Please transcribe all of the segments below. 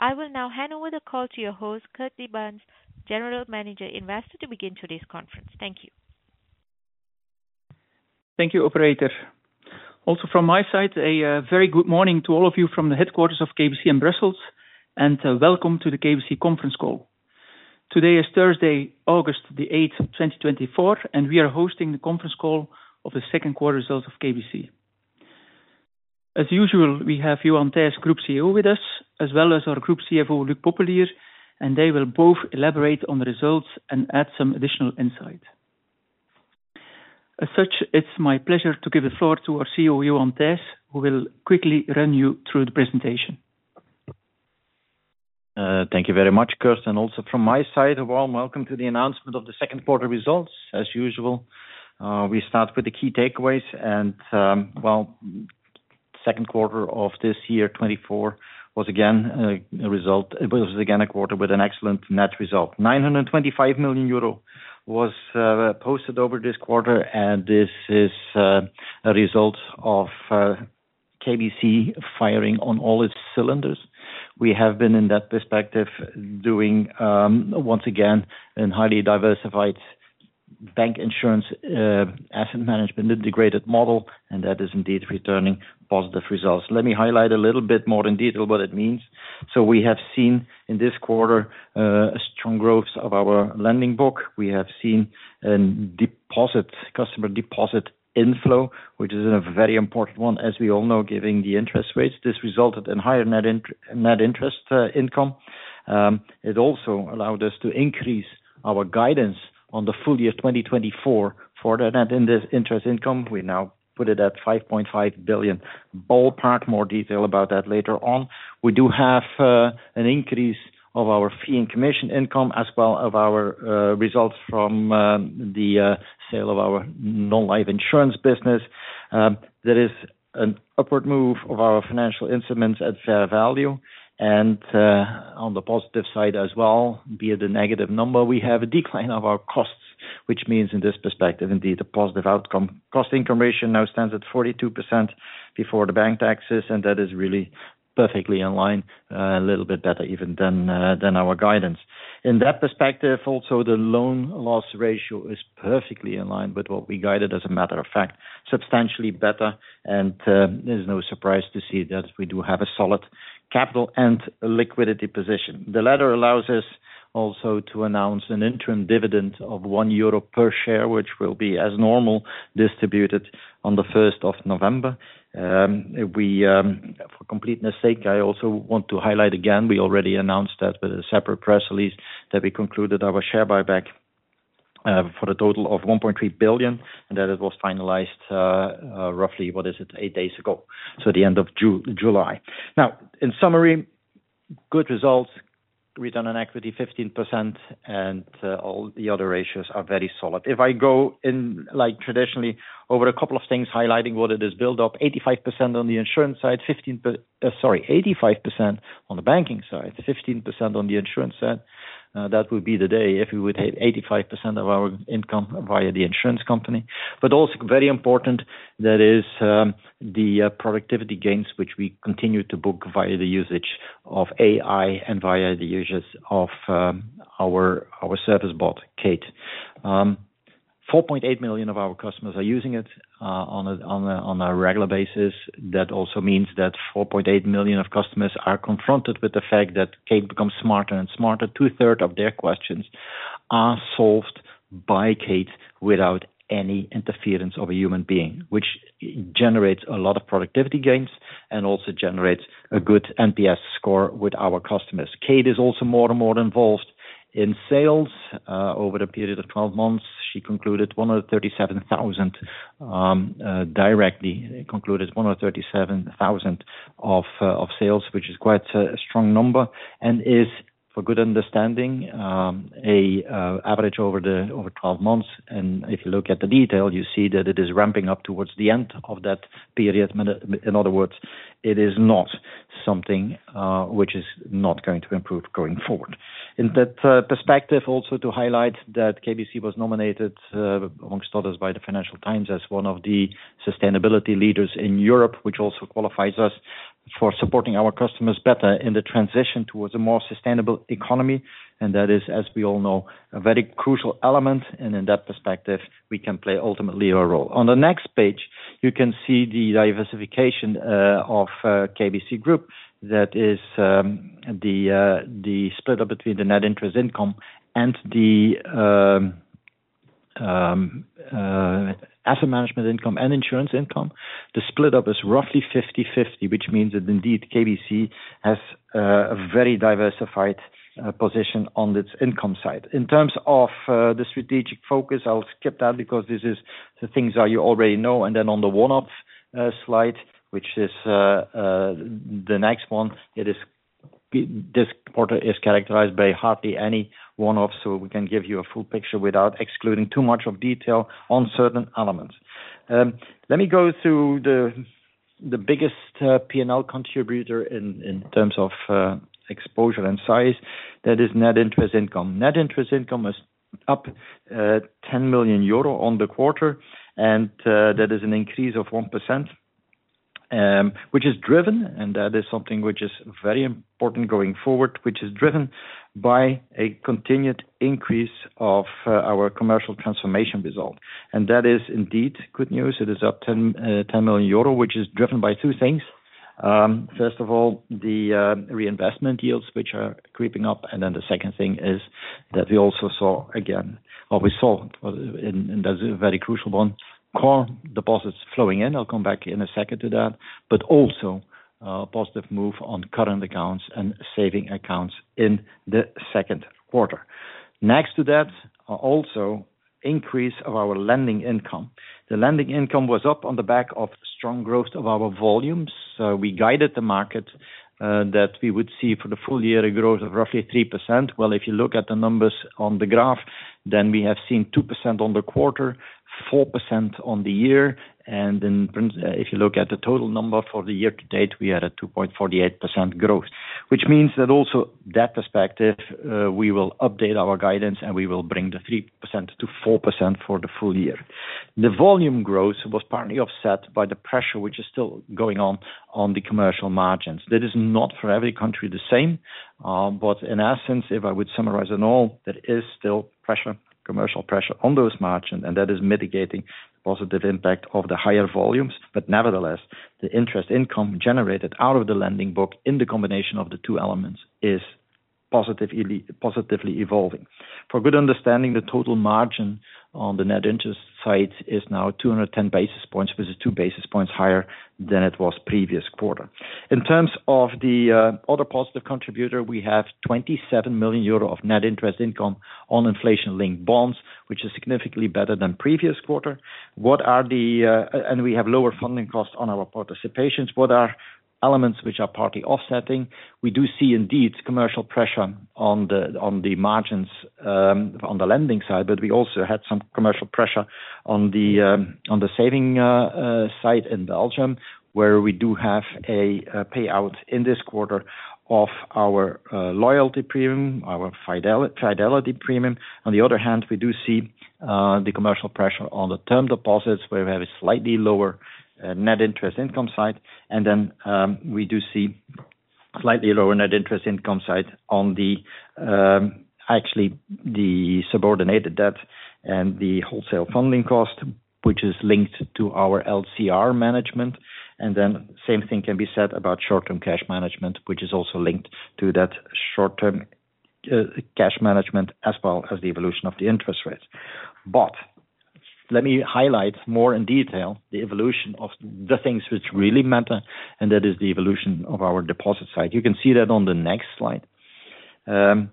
I will now hand over the call to your host, Kurt De Baenst, General Manager Investor, to begin today's conference. Thank you. Thank you, operator. Also from my side, a very good morning to all of you from the headquarters of KBC in Brussels, and welcome to the KBC Conference Call. Today is Thursday, August 8, 2024 and we are hosting the conference call of the second quarter results of KBC. As usual, we have Johan Thijs, Group CEO, with us, as well as our Group CFO, Luc Popelier, and they will both elaborate on the results and add some additional insight. As such, it's my pleasure to give the floor to our CEO, Johan Thijs, who will quickly run you through the presentation. Thank you very much, Kurt, and also from my side, a warm welcome to the announcement of the Second Quarter Results. As usual, we start with the key takeaways, and, well, second quarter of this year, 2024, was again a quarter with an excellent net result. 925 million euro was posted over this quarter, and this is a result of KBC firing on all its cylinders. We have been in that perspective doing once again in highly diversified bank insurance asset management integrated model, and that is indeed returning positive results. Let me highlight a little bit more in detail what it means. So we have seen in this quarter a strong growth of our lending book. We have seen deposit customer deposit inflow, which is a very important one, as we all know, given the interest rates. This resulted in higher net interest income. It also allowed us to increase our guidance on the full year 2024 for the net interest income. We now put it at 5.5 billion ballpark. More detail about that later on. We do have an increase of our fee and commission income, as well as our results from the sale of our non-life insurance business. There is an upward move of our financial instruments at fair value, and on the positive side as well, via the negative number, we have a decline of our costs, which means, in this perspective, indeed, a positive outcome. Cost income ratio now stands at 42% before the bank taxes, and that is really perfectly in line, a little bit better even than our guidance. In that perspective, also, the loan loss ratio is perfectly in line with what we guided, as a matter of fact, substantially better, and there's no surprise to see that we do have a solid capital and liquidity position. The latter allows us also to announce an interim dividend of 1 euro per share, which will be as normal, distributed on the first of November. For completeness sake, I also want to highlight again, we already announced that with a separate press release, that we concluded our share buyback for a total of 1.3 billion, and that it was finalized roughly, what is it? Eight days ago, so the end of July. Now, in summary, good results, return on equity 15%, and all the other ratios are very solid. If I go in, like, traditionally, over a couple of things, highlighting what it is, build up 85% on the insurance side, 85% on the banking side, 15% on the insurance side. That would be the day if we would hit 85% of our income via the insurance company. But also very important, that is, the productivity gains, which we continue to book via the usage of AI and via the usage of our service bot, Kate. 4.8 million of our customers are using it on a regular basis. That also means that 4.8 million of customers are confronted with the fact that Kate becomes smarter and smarter. Two-thirds of their questions are solved by Kate without any interference of a human being, which generates a lot of productivity gains and also generates a good NPS score with our customers. Kate is also more and more involved in sales. Over the period of 12 months, she directly concluded 137,000 sales, which is quite a strong number, and is, for good understanding, an average over the 12 months. And if you look at the detail, you see that it is ramping up towards the end of that period. In other words, it is not something which is not going to improve going forward. In that perspective, also to highlight that KBC was nominated, amongst others, by the Financial Times, as one of the sustainability leaders in Europe, which also qualifies us for supporting our customers better in the transition towards a more sustainable economy. And that is, as we all know, a very crucial element, and in that perspective, we can play ultimately a role. On the next page, you can see the diversification of KBC Group. That is, the split up between the net interest income and the asset management income and insurance income. The split up is roughly 50/50, which means that indeed KBC has a very diversified position on its income side. In terms of the strategic focus, I'll skip that because this is the things that you already know. Then on the one-off slide, which is the next one. This quarter is characterized by hardly any one-off, so we can give you a full picture without excluding too much of detail on certain elements. Let me go through the biggest P&L contributor in terms of exposure and size, that is net interest income. Net interest income is up 10 million euro on the quarter, and that is an increase of 1%, which is driven, and that is something which is very important going forward, which is driven by a continued increase of our commercial transformation result. That is indeed good news. It is up 10 million euro, which is driven by two things. First of all, the reinvestment yields, which are creeping up, and then the second thing is that we also saw, again, what we saw in, and that's a very crucial one, core deposits flowing in. I'll come back in a second to that. But also, a positive move on current accounts and savings accounts in the second quarter. Next to that, are also increase of our lending income. The lending income was up on the back of strong growth of our volumes. So we guided the market that we would see for the full year a growth of roughly 3%. Well, if you look at the numbers on the graph, then we have seen 2% on the quarter, 4% on the year, and if you look at the total number for the year to date, we are at 2.48% growth. Which means that also that perspective, we will update our guidance, and we will bring the 3% to 4% for the full year. The volume growth was partly offset by the pressure, which is still going on, on the commercial margins. That is not for every country the same, but in essence, if I would summarize it all, there is still pressure, commercial pressure on those margin, and that is mitigating positive impact of the higher volumes. But nevertheless, the interest income generated out of the lending book in the combination of the two elements is positively, positively evolving. For good understanding, the total margin on the net interest side is now 210 basis points, which is two basis points higher than it was previous quarter. In terms of the other positive contributor, we have 27 million euro of net interest income on inflation-linked bonds, which is significantly better than previous quarter. And we have lower funding costs on our participations. What are elements which are partly offsetting? We do see, indeed, commercial pressure on the margins on the lending side, but we also had some commercial pressure on the savings side in Belgium, where we do have a payout in this quarter of our loyalty premium, our fidelity premium. On the other hand, we do see the commercial pressure on the term deposits, where we have a slightly lower net interest income side. And then we do see slightly lower net interest income side on the actually the subordinated debt and the wholesale funding cost, which is linked to our LCR management. And then same thing can be said about short-term cash management, which is also linked to that short-term cash management, as well as the evolution of the interest rates. But let me highlight more in detail the evolution of the things which really matter, and that is the evolution of our deposit side. You can see that on the next slide. In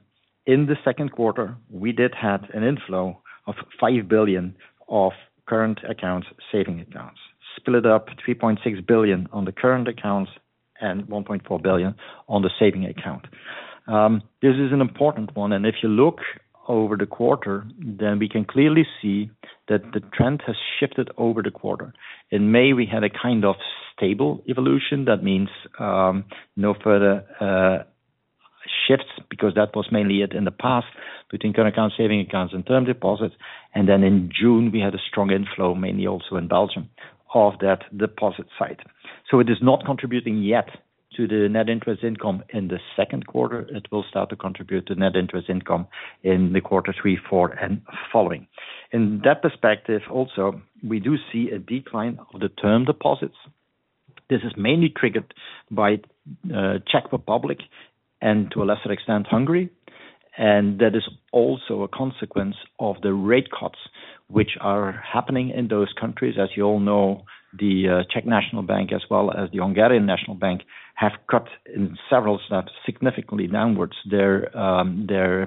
the second quarter, we did have an inflow of 5 billion of current accounts, saving accounts, split up 3.6 billion on the current accounts and 1.4 billion on the saving account. This is an important one, and if you look over the quarter, then we can clearly see that the trend has shifted over the quarter. In May, we had a kind of stable evolution. That means, no further shifts, because that was mainly it in the past, between current account, saving accounts and term deposits. And then in June, we had a strong inflow, mainly also in Belgium, of that deposit side. So it is not contributing yet to the net interest income in the second quarter. It will start to contribute to net interest income in the quarter three, four, and following. In that perspective, also, we do see a decline of the term deposits. This is mainly triggered by Czech Republic and to a lesser extent, Hungary. And that is also a consequence of the rate cuts which are happening in those countries. As you all know, the Czech National Bank, as well as the Hungarian National Bank, have cut in several snaps, significantly downwards their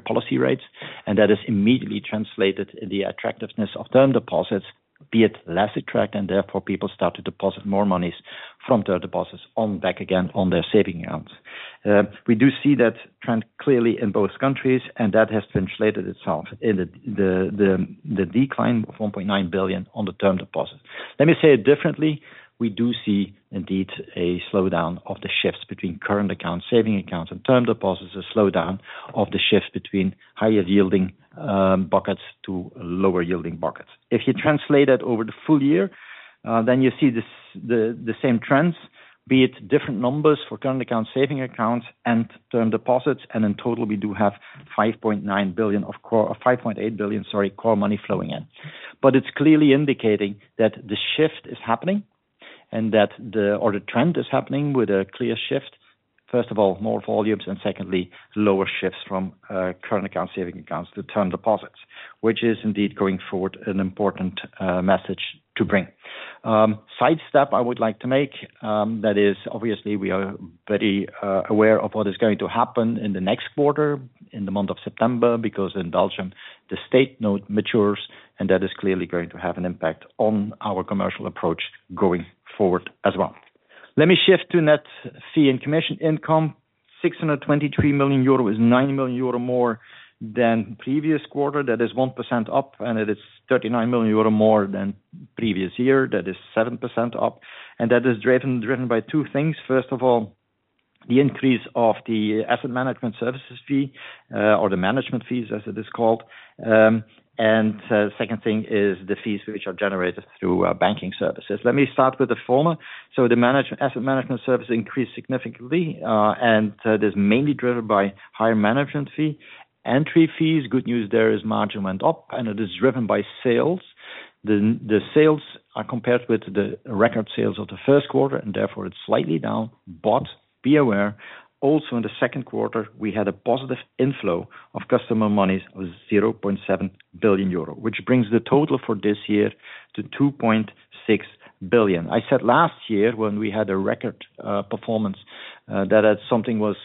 policy rates, and that is immediately translated in the attractiveness of term deposits, be it less attract, and therefore, people start to deposit more monies from term deposits on back again on their saving accounts. We do see that trend clearly in both countries, and that has translated itself in the decline of 1.9 billion on the term deposits. Let me say it differently. We do see indeed a slowdown of the shifts between current accounts, saving accounts, and term deposits, a slowdown of the shifts between higher yielding buckets to lower yielding buckets. If you translate that over the full year, then you see the same trends, be it different numbers for current accounts, saving accounts, and term deposits, and in total, we do have 5.9 billion of core—EUR 5.8 billion, sorry, core money flowing in. But it's clearly indicating that the shift is happening and that the—or the trend is happening with a clear shift, first of all, more volumes, and secondly, lower shifts from current account, saving accounts to term deposits, which is indeed going forward an important message to bring. Sidestep I would like to make, that is obviously we are very aware of what is going to happen in the next quarter, in the month of September, because in Belgium, the State Note matures, and that is clearly going to have an impact on our commercial approach going forward as well. Let me shift to net fee and commission income. 623 million euro is 90 million euro more than previous quarter. That is 1% up, and it is 39 million euro more than previous year. That is 7% up, and that is driven by two things. First of all, the increase of the asset management services fee, or the management fees, as it is called. And second thing is the fees which are generated through banking services. Let me start with the former. So the management, asset management service increased significantly, and it is mainly driven by higher management fee. Entry fees, good news there is margin went up, and it is driven by sales. The sales are compared with the record sales of the first quarter, and therefore it's slightly down. But be aware, also in the second quarter, we had a positive inflow of customer monies of 0.7 billion euro, which brings the total for this year to 2.6 billion. I said last year, when we had a record, performance, that as something was,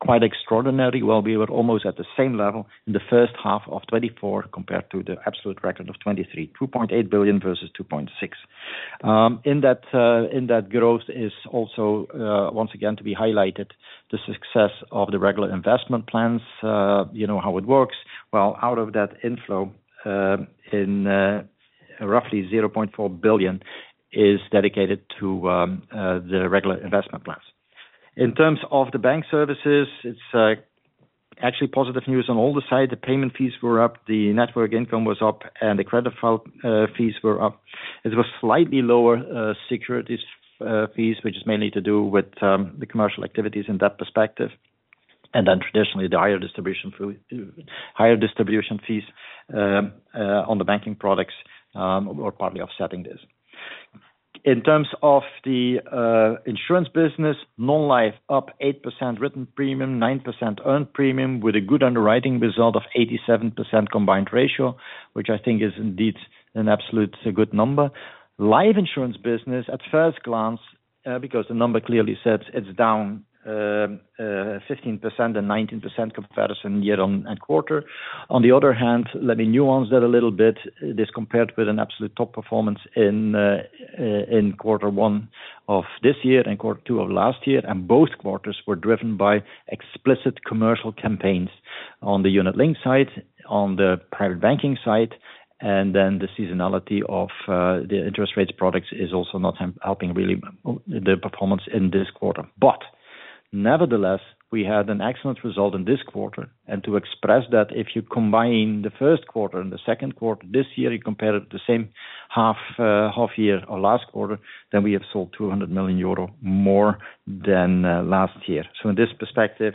quite extraordinary. Well, we were almost at the same level in the first half of 2024 compared to the absolute record of 2023, 2.8 billion versus 2.6 billion. In that growth is also, once again, to be highlighted, the success of the regular investment plans. You know how it works? Well, out of that inflow, in, roughly 0.4 billion is dedicated to, the regular investment plans. In terms of the bank services, it's actually positive news on all the sides. The payment fees were up, the network income was up, and the credit file fees were up. It was slightly lower, securities fees, which is mainly to do with, the commercial activities in that perspective. And then traditionally, the higher distribution fee, higher distribution fees, on the banking products, were partly offsetting this. In terms of the insurance business, non-life up 8% written premium, 9% earned premium, with a good underwriting result of 87% combined ratio, which I think is indeed an absolute good number. Life insurance business, at first glance, because the number clearly says it's down 15% and 19% year-over-year and quarter-over-quarter. On the other hand, let me nuance that a little bit. This compared with an absolute top performance in quarter one of this year and quarter two of last year, and both quarters were driven by explicit commercial campaigns on the unit-linked side, on the private banking side, and then the seasonality of the interest rates products is also not helping really, the performance in this quarter. But nevertheless, we had an excellent result in this quarter, and to express that, if you combine the first quarter and the second quarter this year, you compare it to the same half, half year or last quarter, then we have sold 200 million euro more than last year. So in this perspective,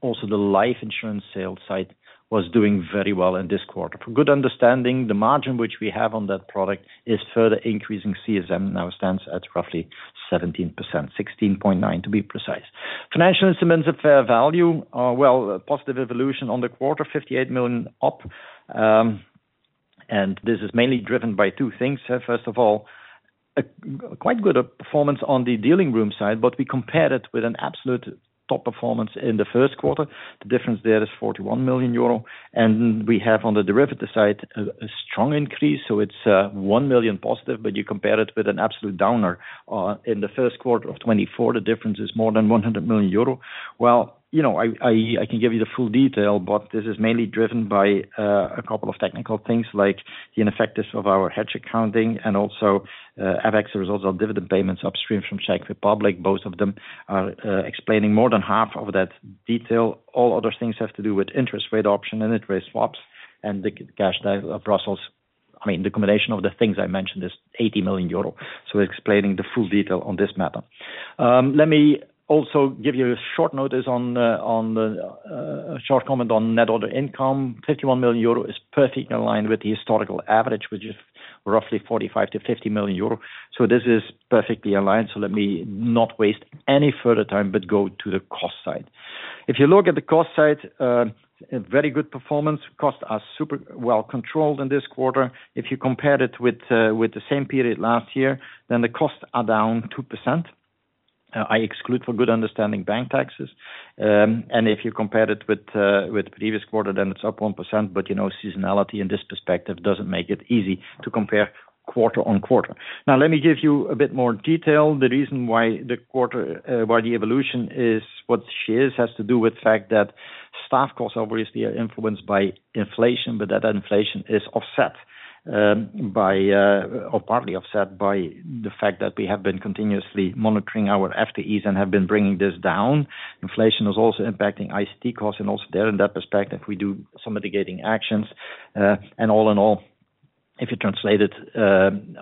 also the life insurance sales side was doing very well in this quarter. For good understanding, the margin which we have on that product is further increasing. CSM now stands at roughly 17%, 16.9% to be precise. Financial instruments at fair value, well, positive evolution on the quarter, 58 million up. And this is mainly driven by two things. First of all, a quite good performance on the dealing room side, but we compared it with an absolute top performance in the first quarter. The difference there is 41 million euro, and we have on the derivative side a strong increase, so it's 1 million positive, but you compare it with an absolute downer in the first quarter of 2024. The difference is more than 100 million euro. Well, you know, I can give you the full detail, but this is mainly driven by a couple of technical things, like the ineffectiveness of our hedge accounting and also FX results on dividend payments upstream from Czech Republic. Both of them are explaining more than half of that detail. All other things have to do with interest rate option and interest rate swaps and the cash Brussels - I mean, the combination of the things I mentioned is 80 million euro. So explaining the full detail on this matter. Let me also give you a short notice on the short comment on net other income. 51 million euro is perfectly aligned with the historical average, which is roughly 45 million-50 million euro. So this is perfectly aligned. So let me not waste any further time, but go to the cost side. If you look at the cost side, a very good performance. Costs are super well controlled in this quarter. If you compare it with the same period last year, then the costs are down 2%. I exclude, for good understanding, bank taxes. And if you compare it with the previous quarter, then it's up 1%. But you know, seasonality in this perspective doesn't make it easy to compare quarter-on-quarter. Now, let me give you a bit more detail. The reason why the quarter, why the evolution is what it is, has to do with the fact that staff costs are obviously influenced by inflation, but that inflation is offset, by, or partly offset by the fact that we have been continuously monitoring our FTEs and have been bringing this down. Inflation is also impacting ICT costs, and also there, in that perspective, we do some mitigating actions. And all in all, if you translate it,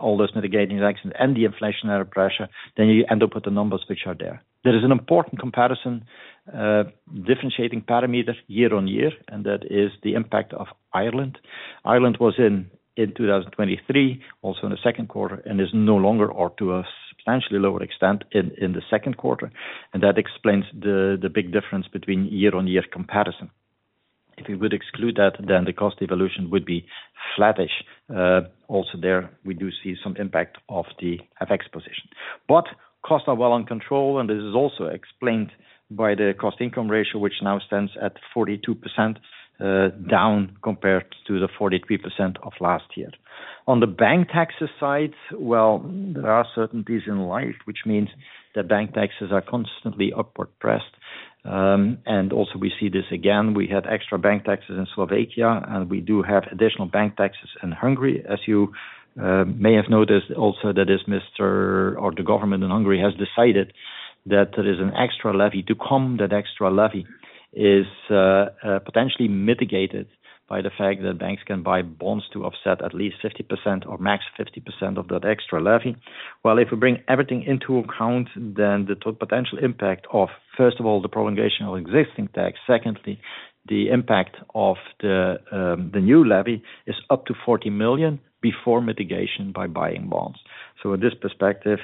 all those mitigating actions and the inflationary pressure, then you end up with the numbers which are there. There is an important comparison, differentiating parameter year on year, and that is the impact of Ireland. Ireland was in 2023, also in the second quarter, and is no longer or to a substantially lower extent in the second quarter. And that explains the big difference between year-on-year comparison. If we would exclude that, then the cost evolution would be flattish. Also there, we do see some impact of the FX position. But costs are well in control, and this is also explained by the cost income ratio, which now stands at 42%, down compared to the 43% of last year. On the bank taxes side, well, there are certainties in life, which means that bank taxes are constantly upward pressed. And also we see this again, we had extra bank taxes in Slovakia, and we do have additional bank taxes in Hungary. As you may have noticed also, that is Mister or the government in Hungary has decided that there is an extra levy to come. That extra levy is potentially mitigated by the fact that banks can buy bonds to offset at least 50% or max 50% of that extra levy. Well, if we bring everything into account, then the total potential impact of, first of all, the prolongation of existing tax, secondly, the impact of the new levy is up to 40 million before mitigation by buying bonds. So in this perspective,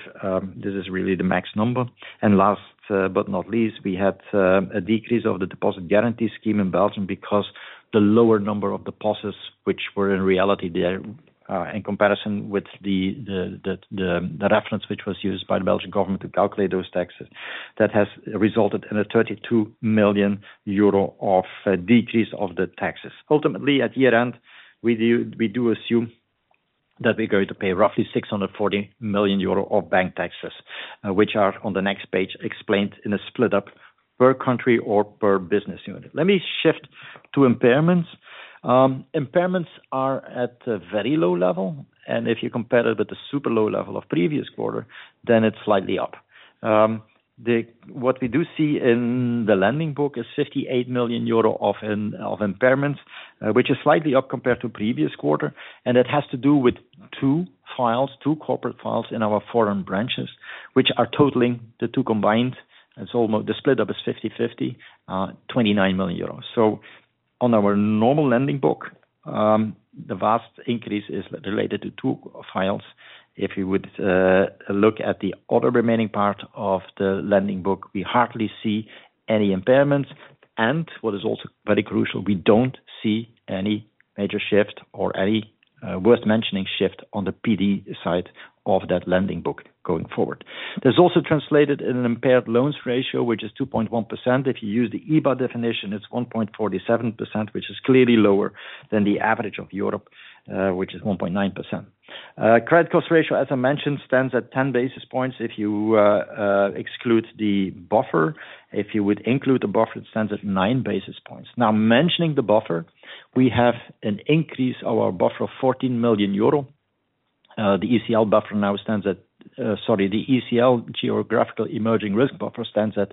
this is really the max number. And last, but not least, we had a decrease of the deposit guarantee scheme in Belgium because the lower number of deposits which were in reality there in comparison with the reference which was used by the Belgian government to calculate those taxes, that has resulted in a 32 million euro of decrease of the taxes. Ultimately, at year-end, we do, we do assume that we're going to pay roughly 640 million euro of bank taxes, which are on the next page, explained in a split up per country or per business unit. Let me shift to impairments. Impairments are at a very low level, and if you compare it with the super low level of previous quarter, then it's slightly up. What we do see in the lending book is 58 million euro of impairments, which is slightly up compared to previous quarter, and it has to do with two files, two corporate files in our foreign branches, which are totaling the two combined, and so the split up is 50/50, 29 million euros. So on our normal lending book, the vast increase is related to two files. If you would look at the other remaining part of the lending book, we hardly see any impairments. And what is also very crucial, we don't see any major shift or any worth mentioning shift on the PD side of that lending book going forward. There's also translated in an impaired loans ratio, which is 2.1%. If you use the EBA definition, it's 1.47%, which is clearly lower than the average of Europe, which is 1.9%. Credit cost ratio, as I mentioned, stands at 10 basis points if you exclude the buffer. If you would include the buffer, it stands at nine basis points. Now, mentioning the buffer, we have an increase of our buffer of 14 million euro. The ECL buffer now stands at... Sorry, the ECL geographical emerging risk buffer stands at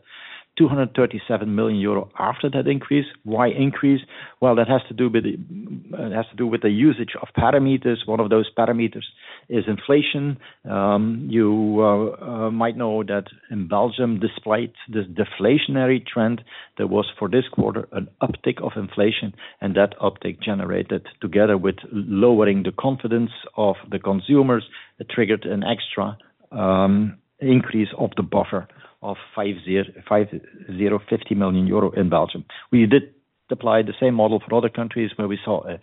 237 million euro after that increase. Why increase? Well, that has to do with the usage of parameters. One of those parameters is inflation. You might know that in Belgium, despite the deflationary trend, there was, for this quarter, an uptick of inflation, and that uptick generated, together with lowering the confidence of the consumers, it triggered an extra increase of the buffer of 50 million euro in Belgium. We did apply the same model for other countries, where we saw a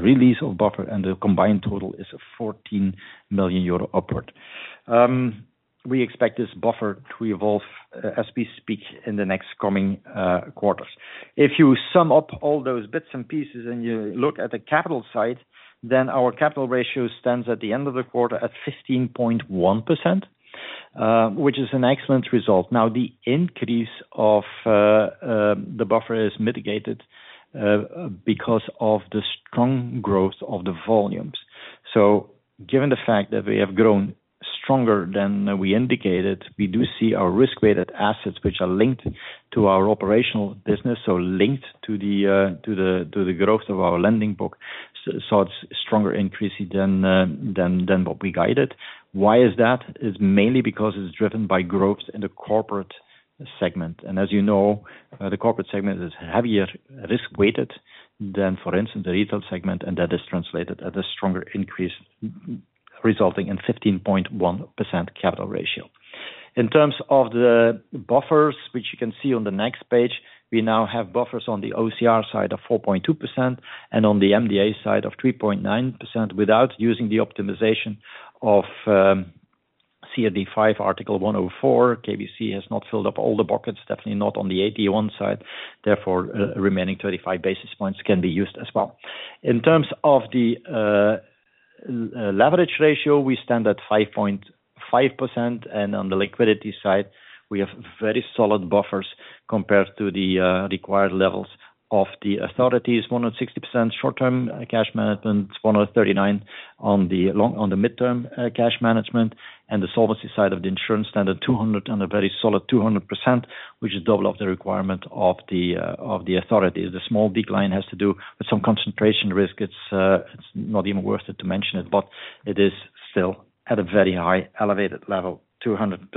release of buffer, and the combined total is a 14 million euro upward. We expect this buffer to evolve as we speak, in the next coming quarters. If you sum up all those bits and pieces and you look at the capital side, then our capital ratio stands at the end of the quarter at 15.1%, which is an excellent result. Now, the increase of the buffer is mitigated because of the strong growth of the volumes. So given the fact that we have grown stronger than we indicated, we do see our risk-weighted assets, which are linked to our operational business, so linked to the growth of our lending book, so it's stronger increase than what we guided. Why is that? It's mainly because it's driven by growth in the corporate segment. And as you know, the corporate segment is heavier risk-weighted than, for instance, the retail segment, and that is translated as a stronger increase, resulting in 15.1% capital ratio. In terms of the buffers, which you can see on the next page, we now have buffers on the OCR side of 4.2% and on the MDA side of 3.9%, without using the optimization of CRD V, Article 104. KBC has not filled up all the buckets, definitely not on the AT1 side, therefore, remaining 35 basis points can be used as well. In terms of the leverage ratio, we stand at 5.5%, and on the liquidity side, we have very solid buffers compared to the required levels of the authorities. 160% short-term cash management, 139 on the long-term, on the mid-term cash management, and the solvency side of the insurance standard, 200, on a very solid 200%, which is double of the requirement of the authority. The small decline has to do with some concentration risk. It's not even worth it to mention it, but it is still at a very high, elevated level, 200%.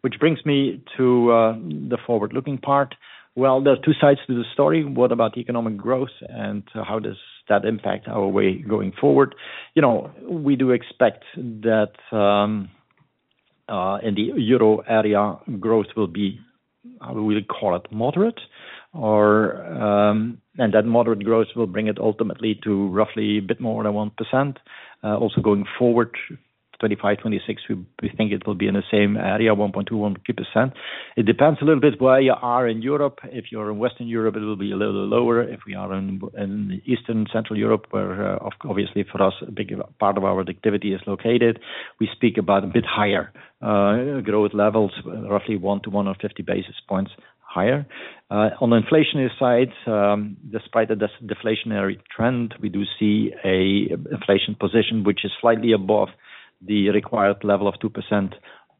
Which brings me to the forward-looking part. Well, there are two sides to the story. What about economic growth, and how does that impact our way going forward? You know, we do expect that, in the euro area, growth will be, we'll call it moderate, or, and that moderate growth will bring it ultimately to roughly a bit more than 1%. Also going forward, 2025, 2026, we think it will be in the same area, 1.2, 1.3%. It depends a little bit where you are in Europe. If you're in Western Europe, it will be a little lower. If we are in, in the Eastern, Central Europe, where, obviously for us, a big part of our activity is located, we speak about a bit higher, growth levels, roughly one to one or 50 basis points higher. On the inflationary side, despite the deflationary trend, we do see an inflation position, which is slightly above the required level of 2%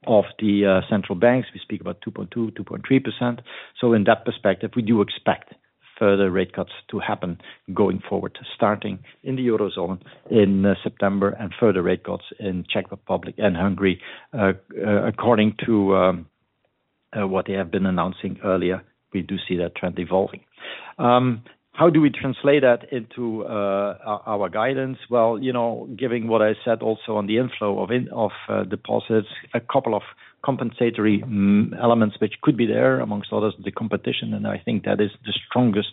of the central banks. We speak about 2.2-2.3%. So in that perspective, we do expect further rate cuts to happen going forward, starting in the Eurozone in September, and further rate cuts in Czech Republic and Hungary. According to what they have been announcing earlier, we do see that trend evolving. How do we translate that into our, our guidance? Well, you know, given what I said also on the inflow of deposits, a couple of compensatory elements which could be there, amongst others, the competition, and I think that is the strongest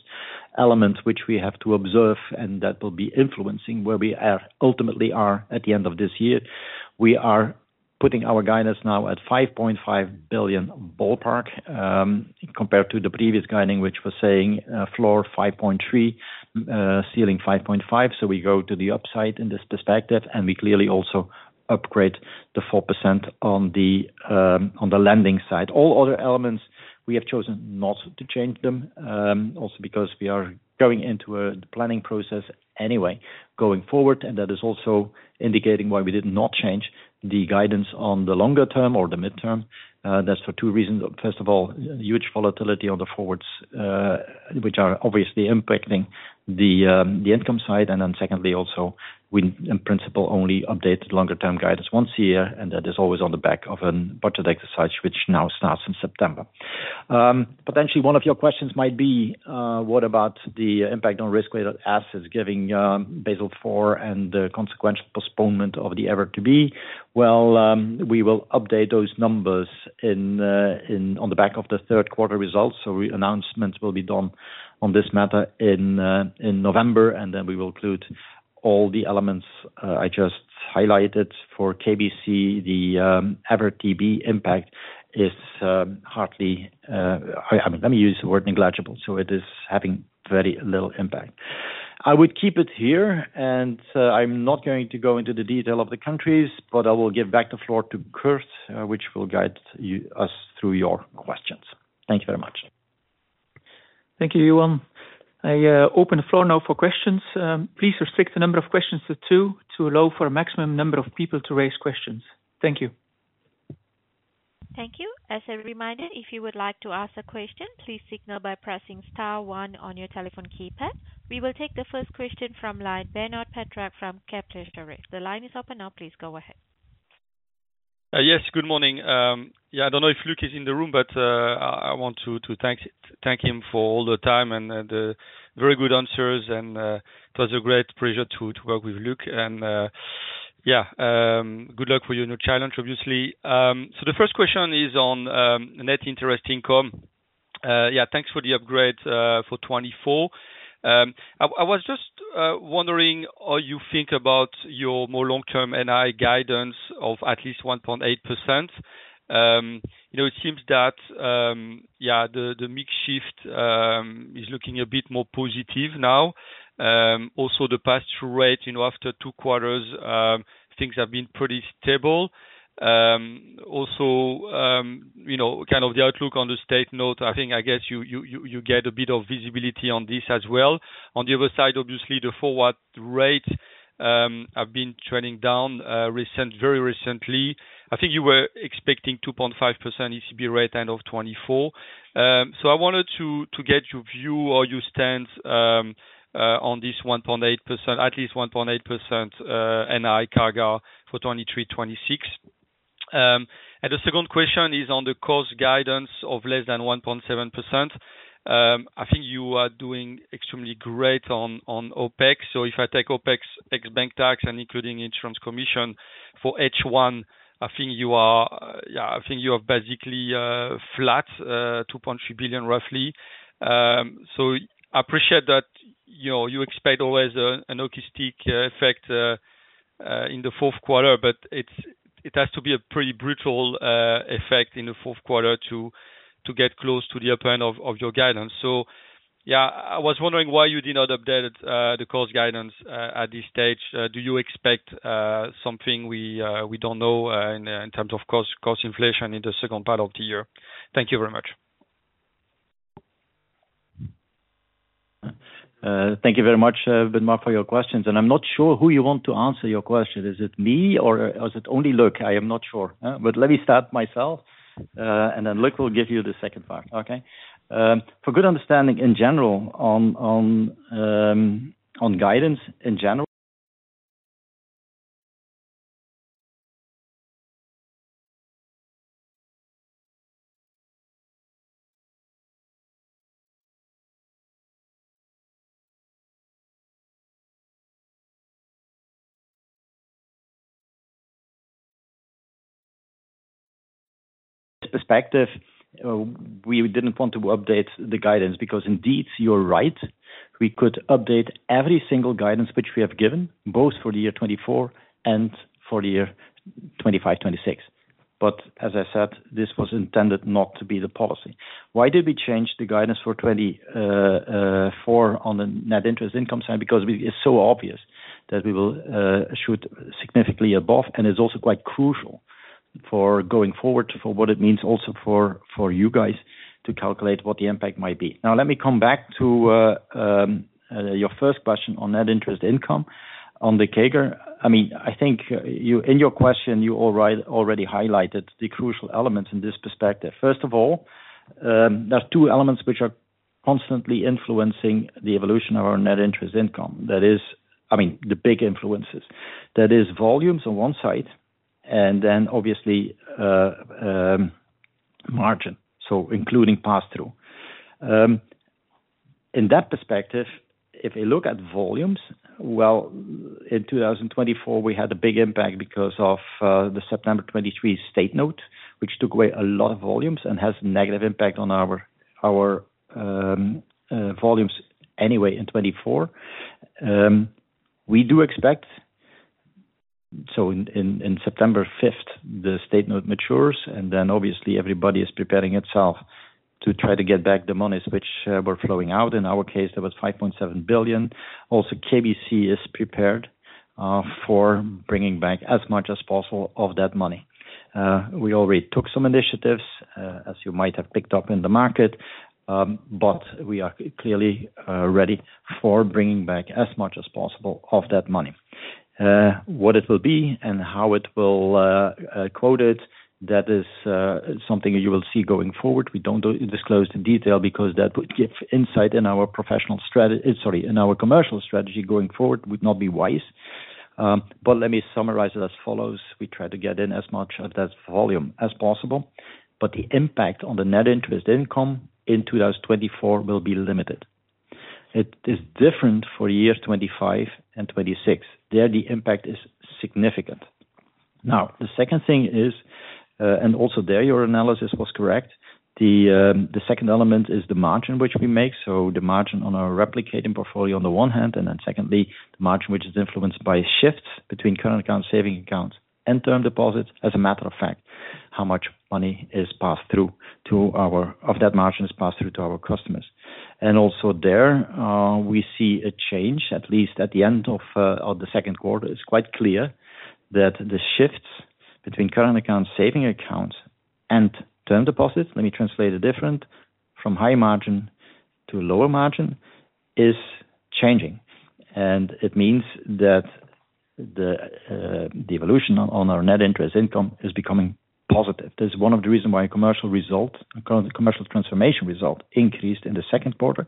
element which we have to observe, and that will be influencing where we are, ultimately are, at the end of this year. We are putting our guidance now at 5.5 billion ballpark, compared to the previous guiding, which was saying, floor 5.3 billion, ceiling 5.5 billion. So we go to the upside in this perspective, and we clearly also upgrade the 4% on the, on the lending side. All other elements, we have chosen not to change them, also because we are going into a planning process anyway, going forward, and that is also indicating why we did not change the guidance on the longer term or the midterm. That's for two reasons. First of all, huge volatility on the forwards, which are obviously impacting the income side. And then secondly, also, we, in principle, only update longer term guidance once a year, and that is always on the back of a budget exercise, which now starts in September. Potentially one of your questions might be, what about the impact on risk-weighted assets given Basel IV and the consequential postponement of the IRB to be? Well, we will update those numbers on the back of the third quarter results. So announcements will be done on this matter in November, and then we will include all the elements I just highlighted. For KBC, the FRTB impact is hardly, let me use the word negligible, so it is having very little impact. I would keep it here, and I'm not going to go into the detail of the countries, but I will give back the floor to Kurt, which will guide us through your questions. Thank you very much. Thank you, Johan. I open the floor now for questions. Please restrict the number of questions to two, to allow for a maximum number of people to raise questions. Thank you. Thank you. As a reminder, if you would like to ask a question, please signal by pressing star one on your telephone keypad. We will take the first question from line, Bernard Petra from CAPTRUST. The line is open now, please go ahead. Yes, good morning. Yeah, I don't know if Luc is in the room, but I want to thank him for all the time and the very good answers, and it was a great pleasure to work with Luc. Yeah, good luck for your new challenge, obviously. So the first question is on net interest income. Yeah, thanks for the upgrade for 2024. I was just wondering how you think about your more long-term NI guidance of at least 1.8%. You know, it seems that yeah, the mix shift is looking a bit more positive now. Also the pass-through rate, you know, after two quarters, things have been pretty stable. Also, you know, kind of the outlook on the State Note, I think, I guess you get a bit of visibility on this as well. On the other side, obviously, the forward rate have been trending down very recently. I think you were expecting 2.5% ECB rate end of 2024. So I wanted to get your view or your stance on this 1.8%, at least 1.8%, NII growth for 2023, 2026. And the second question is on the cost guidance of less than 1.7%. I think you are doing extremely great on OpEx. So if I take OpEx, ex bank tax, and including insurance commission for H1, I think you are, yeah, I think you are basically, flat, 2.3 billion, roughly. So I appreciate that, you know, you expect always a, an accrual, effect, in the fourth quarter, but it's, it has to be a pretty brutal, effect in the fourth quarter to, to get close to the upper end of, of your guidance. So yeah, I was wondering why you did not update, the cost guidance, at this stage. Do you expect, something we, we don't know, in, in terms of cost, cost inflation in the second part of the year? Thank you very much. Thank you very much, Bernard, for your questions, and I'm not sure who you want to answer your question. Is it me, or is it only Luc? I am not sure, but let me start myself, and then Luc will give you the second part, okay? For good understanding in general, on guidance in general perspective, we didn't want to update the guidance, because indeed, you're right, we could update every single guidance which we have given, both for the year 2024, and for the year 2025, 2026. But as I said, this was intended not to be the policy. Why did we change the guidance for 2024 on the net interest income side? Because it's so obvious that we will shoot significantly above, and it's also quite crucial.... for going forward, for what it means also for, for you guys to calculate what the impact might be. Now, let me come back to your first question on net interest income on the CAGR. I mean, I think you, in your question, you already highlighted the crucial elements in this perspective. First of all, there are two elements which are constantly influencing the evolution of our net interest income. That is, I mean, the big influences. That is volumes on one side, and then obviously margin, so including pass-through. In that perspective, if you look at volumes, well, in 2024, we had a big impact because of the September 2023 State Note, which took away a lot of volumes and has negative impact on our volumes anyway, in 2024. We do expect. So in September fifth, the State Note matures, and then obviously everybody is preparing itself to try to get back the monies which were flowing out. In our case, there was 5.7 billion. Also, KBC is prepared for bringing back as much as possible of that money. We already took some initiatives, as you might have picked up in the market, but we are clearly ready for bringing back as much as possible of that money. What it will be and how it will quote it, that is something you will see going forward. We don't disclose in detail because that would give insight in our professional strategy. Sorry, in our commercial strategy going forward, would not be wise. But let me summarize it as follows: We try to get in as much of that volume as possible, but the impact on the net interest income in 2024 will be limited. It is different for year 2025 and 2026. There, the impact is significant. Now, the second thing is, and also there, your analysis was correct. The second element is the margin which we make, so the margin on our replicating portfolio on the one hand, and then secondly, the margin which is influenced by shifts between current account, saving accounts, and term deposits, as a matter of fact, how much money is passed through to our-- of that margin, is passed through to our customers. And also there, we see a change, at least at the end of the second quarter. It's quite clear that the shifts between current accounts, saving accounts, and term deposits, let me translate it different, from high margin to lower margin, is changing. It means that the evolution on our net interest income is becoming positive. That's one of the reasons why commercial results, current commercial transformation results increased in the second quarter,